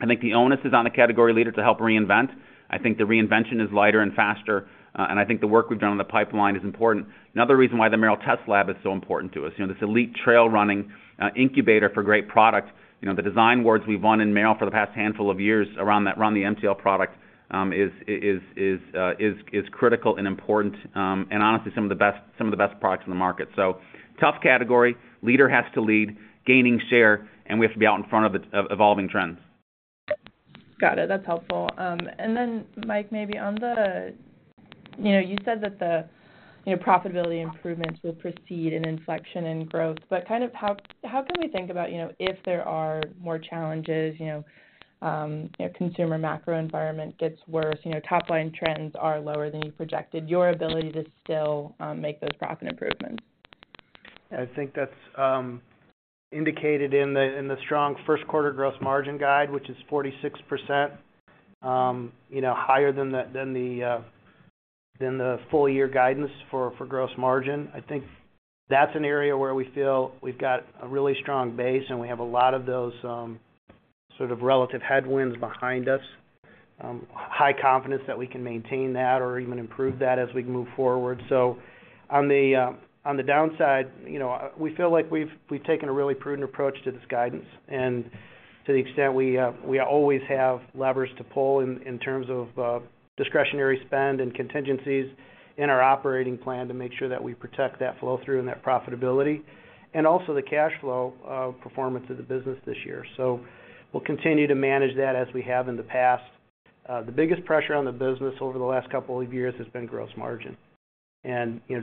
I think the onus is on the category leader to help reinvent. I think the reinvention is lighter and faster. And I think the work we've done on the pipeline is important. Another reason why the Merrell Test Lab is so important to us, this elite trail running incubator for great product, the design awards we've won in Merrell for the past handful of years around the MTL product is critical and important and honestly some of the best products in the market. So tough category, leader has to lead, gaining share, and we have to be out in front of the evolving trends. Got it. That's helpful. And then, Mike, maybe on the you said that the profitability improvements would proceed in inflection and growth. But kind of how can we think about if there are more challenges, consumer macro environment gets worse, top-line trends are lower than you projected, your ability to still make those profit improvements? Yeah. I think that's indicated in the strong first-quarter gross margin guide, which is 46% higher than the full-year guidance for gross margin. I think that's an area where we feel we've got a really strong base, and we have a lot of those sort of relative headwinds behind us, high confidence that we can maintain that or even improve that as we move forward. So on the downside, we feel like we've taken a really prudent approach to this guidance. To the extent we always have levers to pull in terms of discretionary spend and contingencies in our operating plan to make sure that we protect that flow-through and that profitability and also the cash flow performance of the business this year. So we'll continue to manage that as we have in the past. The biggest pressure on the business over the last couple of years has been gross margin,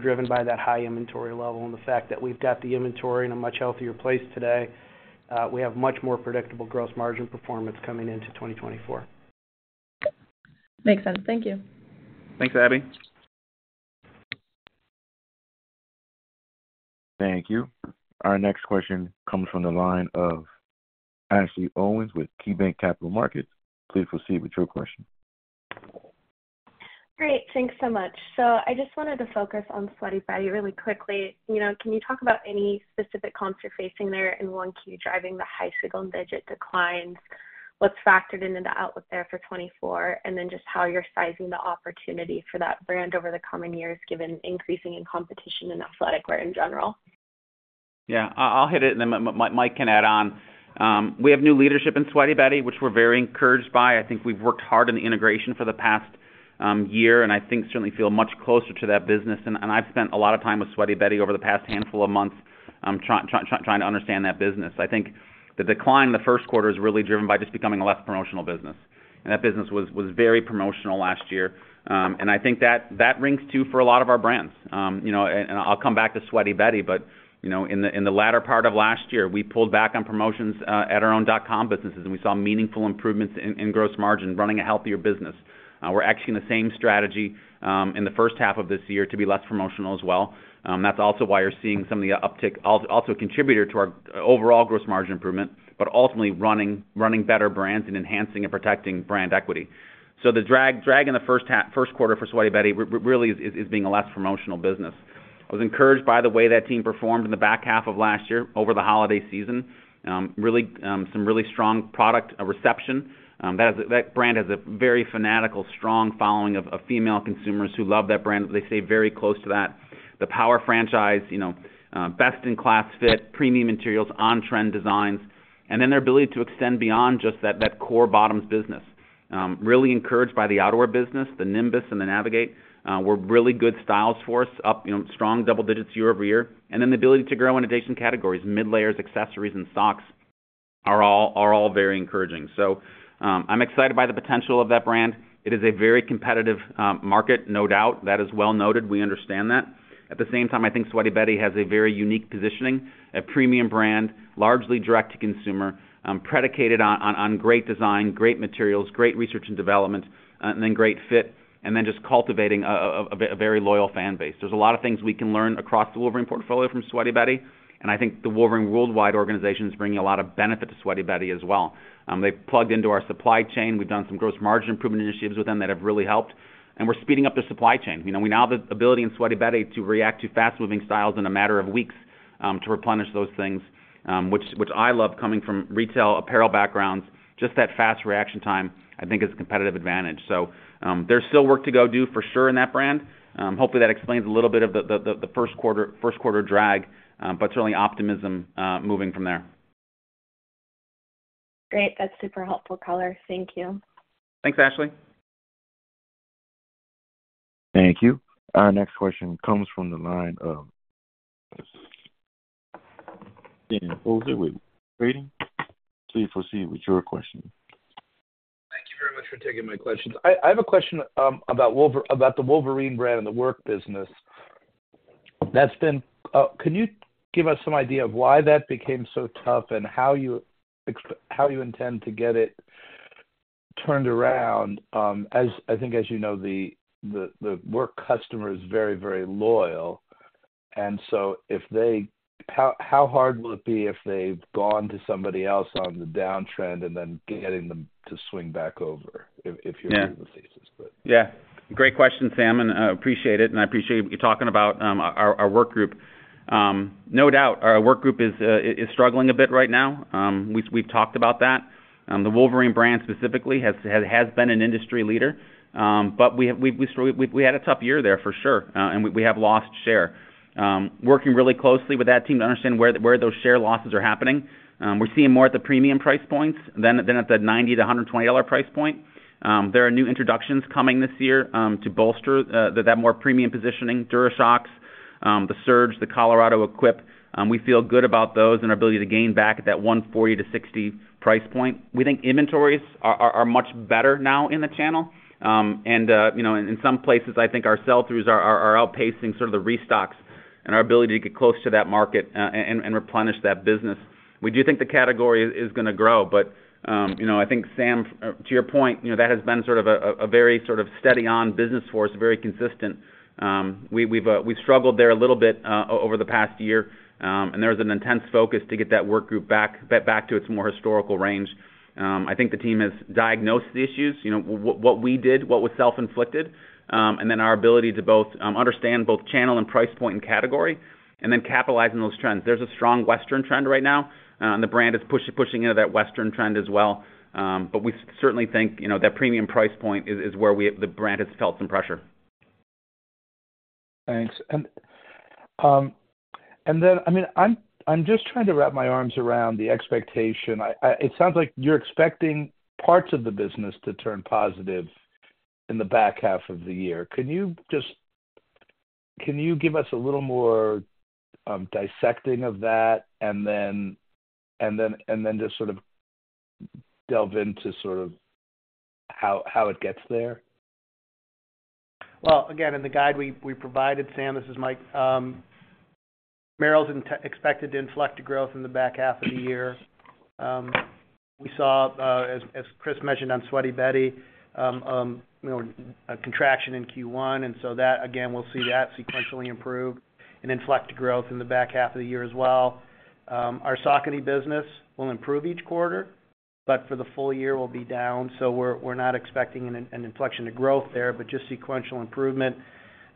driven by that high inventory level and the fact that we've got the inventory in a much healthier place today. We have much more predictable gross margin performance coming into 2024. Makes sense. Thank you. Thanks, Abbie. Thank you. Our next question comes from the line of Ashley Owens with KeyBanc Capital Markets. Please proceed with your question. Great. Thanks so much. So I just wanted to focus on Sweaty Betty really quickly. Can you talk about any specific comps you're facing there in 1Q driving the high single-digit declines? What's factored into the outlook there for 2024? And then just how you're sizing the opportunity for that brand over the coming years given increasing competition in athletic wear in general? Yeah. I'll hit it, and then Mike can add on. We have new leadership in Sweaty Betty, which we're very encouraged by. I think we've worked hard on the integration for the past year, and I think certainly feel much closer to that business. I've spent a lot of time with Sweaty Betty over the past handful of months trying to understand that business. I think the decline in the first quarter is really driven by just becoming a less promotional business. That business was very promotional last year. I think that rings too for a lot of our brands. I'll come back to Sweaty Betty. But in the latter part of last year, we pulled back on promotions at our own dot-com businesses, and we saw meaningful improvements in gross margin, running a healthier business. We're executing the same strategy in the first half of this year to be less promotional as well. That's also why you're seeing some of the uptick, also a contributor to our overall gross margin improvement, but ultimately running better brands and enhancing and protecting brand equity. So the drag in the first quarter for Sweaty Betty really is being a less promotional business. I was encouraged by the way that team performed in the back half of last year over the holiday season, some really strong product reception. That brand has a very fanatical, strong following of female consumers who love that brand. They stay very close to that. The Power franchise, best-in-class fit, premium materials, on-trend designs, and then their ability to extend beyond just that core bottoms business. Really encouraged by the outerwear business, the Nimbus and the Navigate were really good styles for us, strong double-digits year-over-year. And then the ability to grow in adjacent categories, mid-layers, accessories, and socks are all very encouraging. So I'm excited by the potential of that brand. It is a very competitive market, no doubt. That is well noted. We understand that. At the same time, I think Sweaty Betty has a very unique positioning, a premium brand, largely direct to consumer, predicated on great design, great materials, great research and development, and then great fit, and then just cultivating a very loyal fan base. There's a lot of things we can learn across the Wolverine portfolio from Sweaty Betty. And I think the Wolverine World Wide organization is bringing a lot of benefit to Sweaty Betty as well. They've plugged into our supply chain. We've done some gross margin improvement initiatives with them that have really helped. We're speeding up their supply chain. We now have the ability in Sweaty Betty to react to fast-moving styles in a matter of weeks to replenish those things, which I love. Coming from retail apparel backgrounds, just that fast reaction time, I think, is a competitive advantage. There's still work to go do for sure in that brand. Hopefully, that explains a little bit of the first-quarter drag, but certainly optimism moving from there. Great. That's super helpful color. Thank you. Thanks, Ashley. Thank you. Our next question comes from the line of Sam Nunner with Truist. Please proceed with your question. Thank you very much for taking my questions. I have a question about the Wolverine brand and the work business. Can you give us some idea of why that became so tough and how you intend to get it turned around? I think, as you know, the work customer is very, very loyal. And so how hard will it be if they've gone to somebody else on the downtrend and then getting them to swing back over if you're doing the thesis? Yeah. Great question, Sam. And I appreciate it. And I appreciate you talking about our work group. No doubt, our work group is struggling a bit right now. We've talked about that. The Wolverine brand specifically has been an industry leader. But we had a tough year there, for sure. And we have lost share. Working really closely with that team to understand where those share losses are happening. We're seeing more at the premium price points than at the $90-$120 price point. There are new introductions coming this year to bolster that more premium positioning, DuraShocks, the Surge, the Colorado Equip. We feel good about those and our ability to gain back at that $140-$60 price point. We think inventories are much better now in the channel. And in some places, I think our sell-throughs are outpacing sort of the restocks and our ability to get close to that market and replenish that business. We do think the category is going to grow. But I think, Sam, to your point, that has been sort of a very sort of steady-on business force, very consistent. We've struggled there a little bit over the past year. And there was an intense focus to get that work group back to its more historical range. I think the team has diagnosed the issues, what we did, what was self-inflicted, and then our ability to understand both channel and price point and category and then capitalize on those trends. There's a strong Western trend right now. And the brand is pushing into that Western trend as well. But we certainly think that premium price point is where the brand has felt some pressure. Thanks. And then, I mean, I'm just trying to wrap my arms around the expectation. It sounds like you're expecting parts of the business to turn positive in the back half of the year. Can you give us a little more dissecting of that and then just sort of delve into sort of how it gets there? Well, again, in the guide we provided, Sam, this is Mike, Merrell's expected to inflect to growth in the back half of the year. We saw, as Chris mentioned on Sweaty Betty, a contraction in Q1. And so again, we'll see that sequentially improve and inflect to growth in the back half of the year as well. Our Saucony business will improve each quarter, but for the full year, we'll be down. So we're not expecting an inflection to growth there, but just sequential improvement.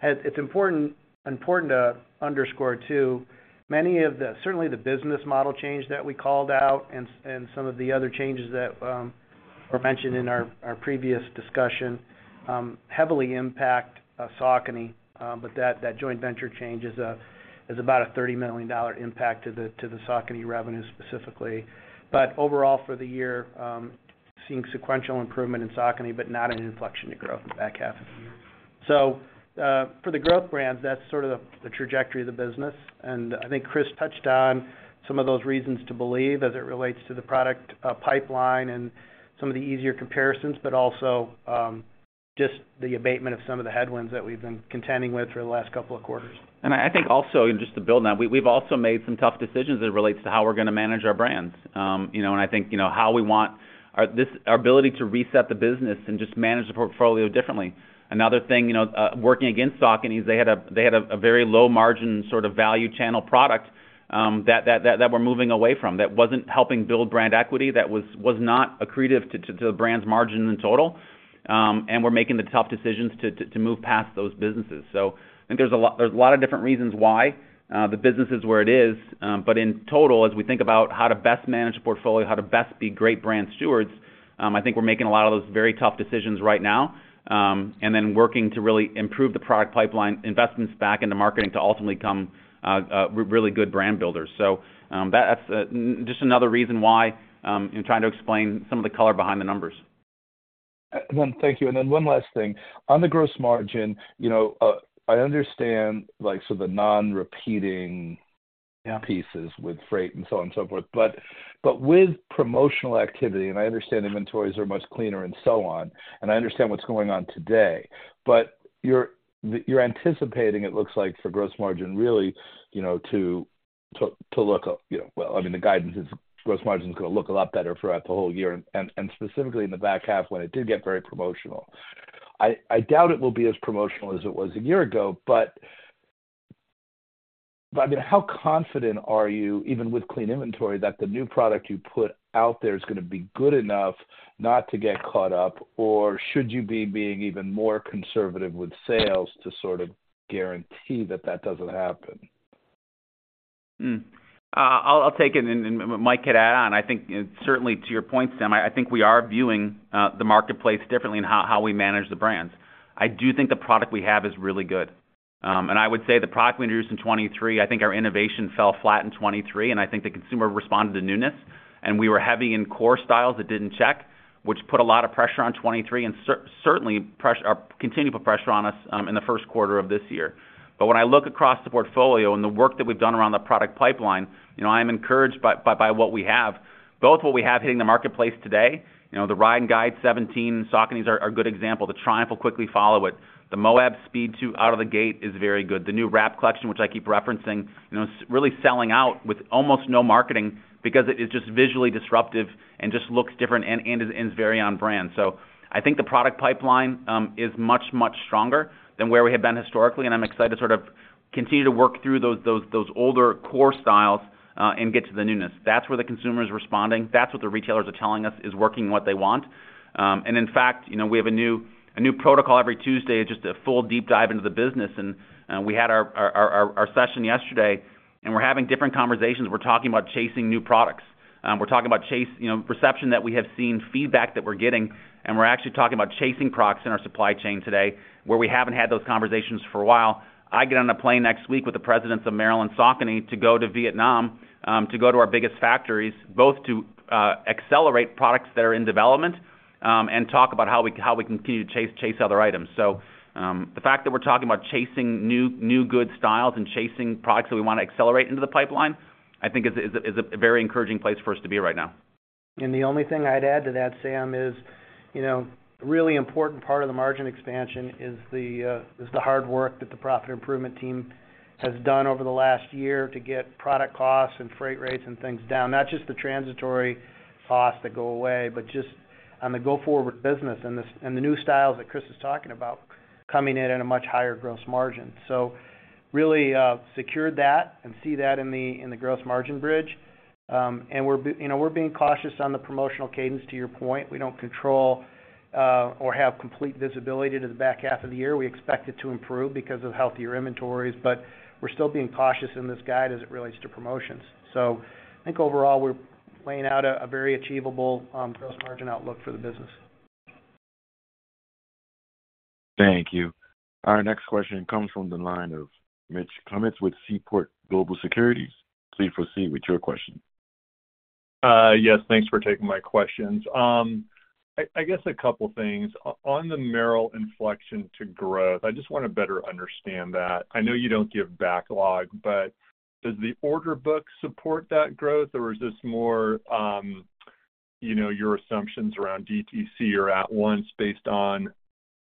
It's important to underscore too, certainly the business model change that we called out and some of the other changes that were mentioned in our previous discussion heavily impact Saucony. But that joint venture change is about a $30 million impact to the Saucony revenue specifically. Overall for the year, seeing sequential improvement in Saucony, but not an inflection to growth in the back half of the year. For the growth brands, that's sort of the trajectory of the business. I think Chris touched on some of those reasons to believe as it relates to the product pipeline and some of the easier comparisons, but also just the abatement of some of the headwinds that we've been contending with for the last couple of quarters. I think also, just to build on that, we've also made some tough decisions that relates to how we're going to manage our brands. I think how we want our ability to reset the business and just manage the portfolio differently. Another thing, working against Saucony's, they had a very low-margin sort of value channel product that we're moving away from that wasn't helping build brand equity, that was not accretive to the brand's margin in total. We're making the tough decisions to move past those businesses. So I think there's a lot of different reasons why. The business is where it is. In total, as we think about how to best manage the portfolio, how to best be great brand stewards, I think we're making a lot of those very tough decisions right now and then working to really improve the product pipeline, investments back into marketing to ultimately become really good brand builders. That's just another reason why, trying to explain some of the color behind the numbers. Thank you. Then one last thing. On the gross margin, I understand sort of the non-repeating pieces with freight and so on and so forth. But with promotional activity, and I understand inventories are much cleaner and so on, and I understand what's going on today, but you're anticipating, it looks like, for gross margin really to look well. I mean, the guidance is gross margin's going to look a lot better throughout the whole year, and specifically in the back half when it did get very promotional. I doubt it will be as promotional as it was a year ago. But I mean, how confident are you, even with clean inventory, that the new product you put out there is going to be good enough not to get caught up? Or should you be being even more conservative with sales to sort of guarantee that that doesn't happen? I'll take it, and Mike could add on. I think certainly, to your point, Sam, I think we are viewing the marketplace differently in how we manage the brands. I do think the product we have is really good. And I would say the product we introduced in 2023, I think our innovation fell flat in 2023. And I think the consumer responded to newness. And we were heavy in core styles that didn't check, which put a lot of pressure on 2023 and certainly continued to put pressure on us in the first quarter of this year. But when I look across the portfolio and the work that we've done around the product pipeline, I am encouraged by what we have, both what we have hitting the marketplace today, the Ride and Guide 17, Sauconys are a good example, the Triumph will quickly follow it. The Moab Speed 2 out of the gate is very good. The new Wrapt collection, which I keep referencing, is really selling out with almost no marketing because it is just visually disruptive and just looks different and is very on-brand. So I think the product pipeline is much, much stronger than where we have been historically. And I'm excited to sort of continue to work through those older core styles and get to the newness. That's where the consumer is responding. That's what the retailers are telling us is working what they want. And in fact, we have a new protocol every Tuesday, just a full deep dive into the business. And we had our session yesterday. And we're having different conversations. We're talking about chasing new products. We're talking about reception that we have seen, feedback that we're getting. We're actually talking about chasing products in our supply chain today, where we haven't had those conversations for a while. I get on a plane next week with the presidents of Merrell and Saucony to go to Vietnam, to go to our biggest factories, both to accelerate products that are in development and talk about how we continue to chase other items. The fact that we're talking about chasing new good styles and chasing products that we want to accelerate into the pipeline, I think, is a very encouraging place for us to be right now. And the only thing I'd add to that, Sam, is a really important part of the margin expansion is the hard work that the profit improvement team has done over the last year to get product costs and freight rates and things down, not just the transitory costs that go away, but just on the go-forward business and the new styles that Chris is talking about coming in at a much higher gross margin. So really secured that and see that in the gross margin bridge. And we're being cautious on the promotional cadence, to your point. We don't control or have complete visibility to the back half of the year. We expect it to improve because of healthier inventories. But we're still being cautious in this guide as it relates to promotions. So I think overall, we're laying out a very achievable gross margin outlook for the business. Thank you. Our next question comes from the line of Mitch Kummetz with Seaport Global Securities. Please proceed with your question. Yes. Thanks for taking my questions. I guess a couple of things. On the Merrell inflection to growth, I just want to better understand that. I know you don't give backlog, but does the order book support that growth? Or is this more your assumptions around DTC or At Once based on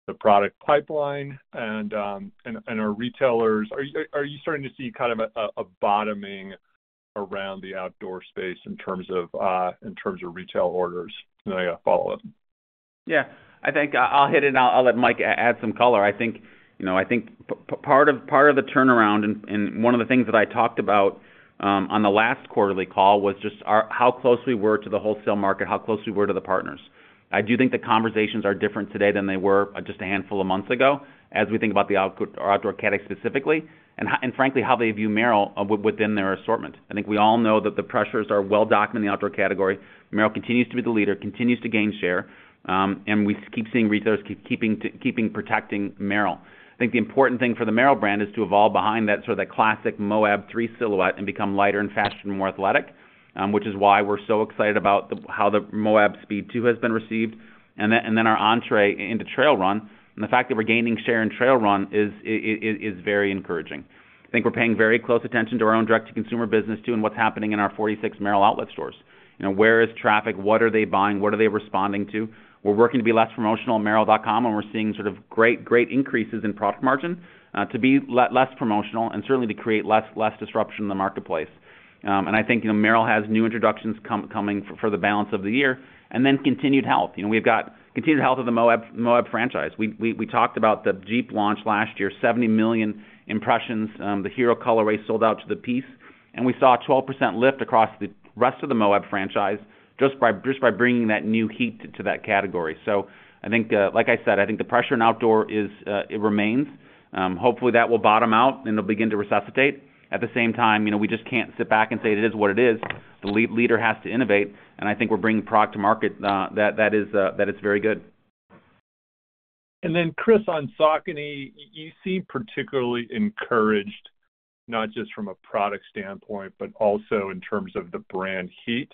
the product pipeline? And are you starting to see kind of a bottoming around the outdoor space in terms of retail orders? And then I got to follow up. Yeah. I think I'll hit it, and I'll let Mike add some color. I think part of the turnaround and one of the things that I talked about on the last quarterly call was just how close we were to the wholesale market, how close we were to the partners. I do think the conversations are different today than they were just a handful of months ago as we think about our outdoor segment specifically and, frankly, how they view Merrell within their assortment. I think we all know that the pressures are well documented in the outdoor category. Merrell continues to be the leader, continues to gain share. And we keep seeing retailers keeping protecting Merrell. I think the important thing for the Merrell brand is to evolve behind that sort of classic Moab 3 silhouette and become lighter and faster and more athletic, which is why we're so excited about how the Moab Speed 2 has been received and then our entree into TrailRun. And the fact that we're gaining share in TrailRun is very encouraging. I think we're paying very close attention to our own direct-to-consumer business too and what's happening in our 46 Merrell outlet stores. Where is traffic? What are they buying? What are they responding to? We're working to be less promotional at merrell.com. And we're seeing sort of great, great increases in product margin to be less promotional and certainly to create less disruption in the marketplace. And I think Merrell has new introductions coming for the balance of the year and then continued health. We've got continued health of the Moab franchise. We talked about the Jeep launch last year, 70 million impressions, the Hero colorway sold out to the piece. And we saw a 12% lift across the rest of the Moab franchise just by bringing that new heat to that category. So like I said, I think the pressure in outdoor, it remains. Hopefully, that will bottom out, and it'll begin to resuscitate. At the same time, we just can't sit back and say it is what it is. The leader has to innovate. And I think we're bringing product to market that is very good. Then Chris, on Saucony, you seem particularly encouraged, not just from a product standpoint, but also in terms of the brand heat.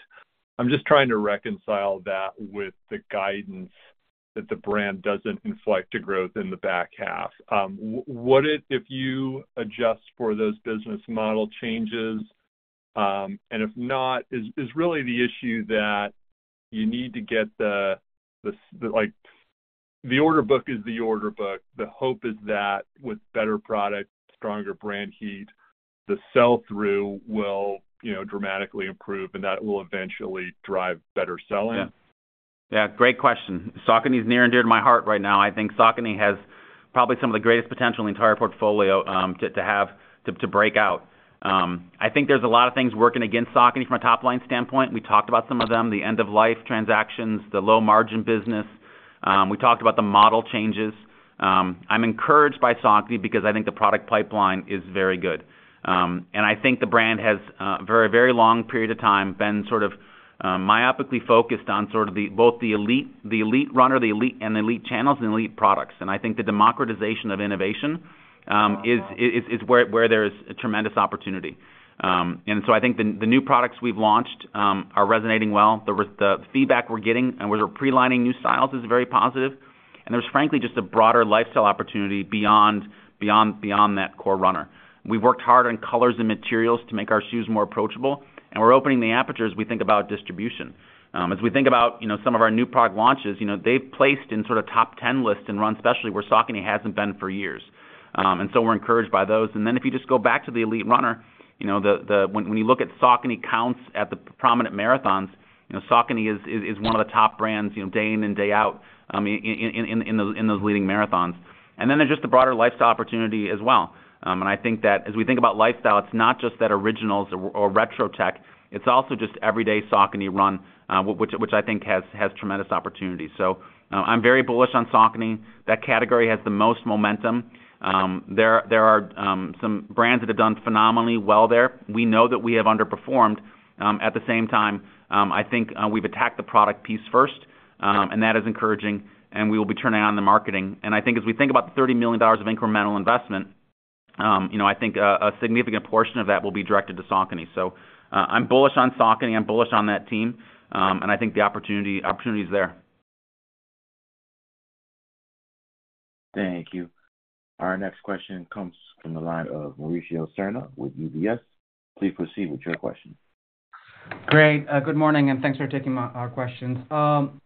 I'm just trying to reconcile that with the guidance that the brand doesn't inflect to growth in the back half. If you adjust for those business model changes and if not, is really the issue that you need to get the order book? Is the order book. The hope is that with better product, stronger brand heat, the sell-through will dramatically improve, and that will eventually drive better selling. Yeah. Great question. Saucony is near and dear to my heart right now. I think Saucony has probably some of the greatest potential in the entire portfolio to break out. I think there's a lot of things working against Saucony from a top-line standpoint. We talked about some of them, the end-of-life transactions, the low-margin business. We talked about the model changes. I'm encouraged by Saucony because I think the product pipeline is very good. And I think the brand has a very, very long period of time been sort of myopically focused on sort of both the elite runner, the elite and the elite channels, and elite products. And I think the democratization of innovation is where there is tremendous opportunity. And so I think the new products we've launched are resonating well. The feedback we're getting and where we're pre-lining new styles is very positive. And there's, frankly, just a broader lifestyle opportunity beyond that core runner. We've worked hard on colors and materials to make our shoes more approachable. And we're opening the apertures we think about distribution. As we think about some of our new product launches, they've placed in sort of top 10 lists and run specialty where Saucony hasn't been for years. And so we're encouraged by those. And then if you just go back to the elite runner, when you look at Saucony counts at the prominent marathons, Saucony is one of the top brands day in and day out in those leading marathons. And then there's just the broader lifestyle opportunity as well. And I think that as we think about lifestyle, it's not just that originals or retro tech. It's also just everyday Saucony run, which I think has tremendous opportunity. So I'm very bullish on Saucony. That category has the most momentum. There are some brands that have done phenomenally well there. We know that we have underperformed. At the same time, I think we've attacked the product piece first. That is encouraging. We will be turning on the marketing. I think as we think about the $30 million of incremental investment, I think a significant portion of that will be directed to Saucony. I'm bullish on Saucony. I'm bullish on that team. I think the opportunity is there. Thank you. Our next question comes from the line of Mauricio Serna with UBS. Please proceed with your question. Great. Good morning. And thanks for taking our questions.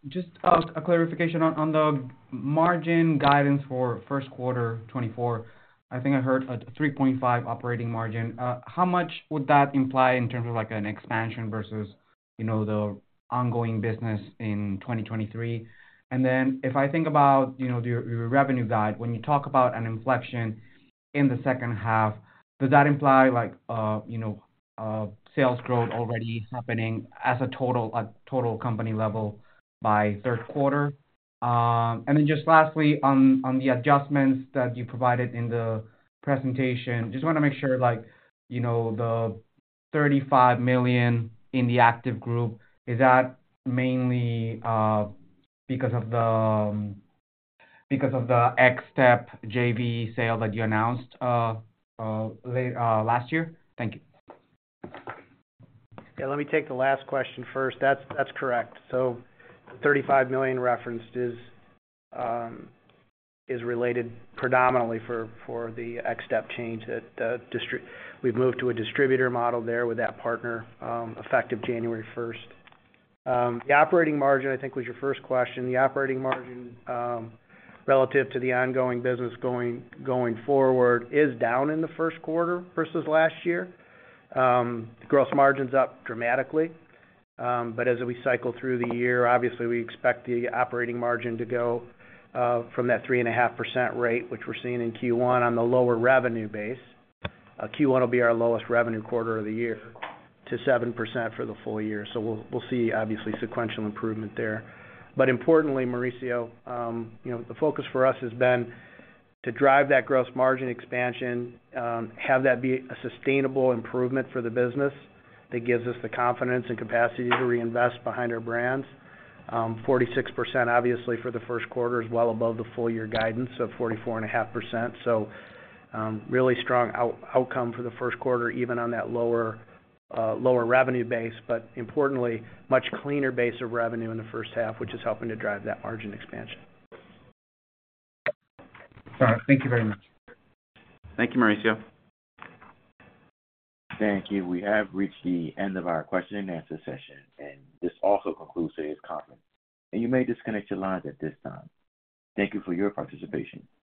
Just a clarification on the margin guidance for first quarter 2024. I think I heard a 3.5% operating margin. How much would that imply in terms of an expansion versus the ongoing business in 2023? And then if I think about your revenue guide, when you talk about an inflection in the second half, does that imply sales growth already happening as a total company level by third quarter? And then just lastly, on the adjustments that you provided in the presentation, just want to make sure the $35 million in the active group, is that mainly because of the Xtep JV sale that you announced last year? Thank you. Yeah. Let me take the last question first. That's correct. So the $35 million referenced is related predominantly for the Xtep change that we've moved to a distributor model there with that partner effective January 1st. The operating margin, I think, was your first question. The operating margin relative to the ongoing business going forward is down in the first quarter versus last year. Gross margin's up dramatically. But as we cycle through the year, obviously, we expect the operating margin to go from that 3.5% rate, which we're seeing in Q1, on the lower revenue base. Q1 will be our lowest revenue quarter of the year to 7% for the full year. So we'll see, obviously, sequential improvement there. But importantly, Mauricio, the focus for us has been to drive that gross margin expansion, have that be a sustainable improvement for the business that gives us the confidence and capacity to reinvest behind our brands. 46%, obviously, for the first quarter is well above the full-year guidance of 44.5%. So really strong outcome for the first quarter, even on that lower revenue base, but importantly, much cleaner base of revenue in the first half, which is helping to drive that margin expansion. All right. Thank you very much. Thank you, Mauricio. Thank you. We have reached the end of our question-and-answer session. This also concludes today's conference. You may disconnect your lines at this time. Thank you for your participation.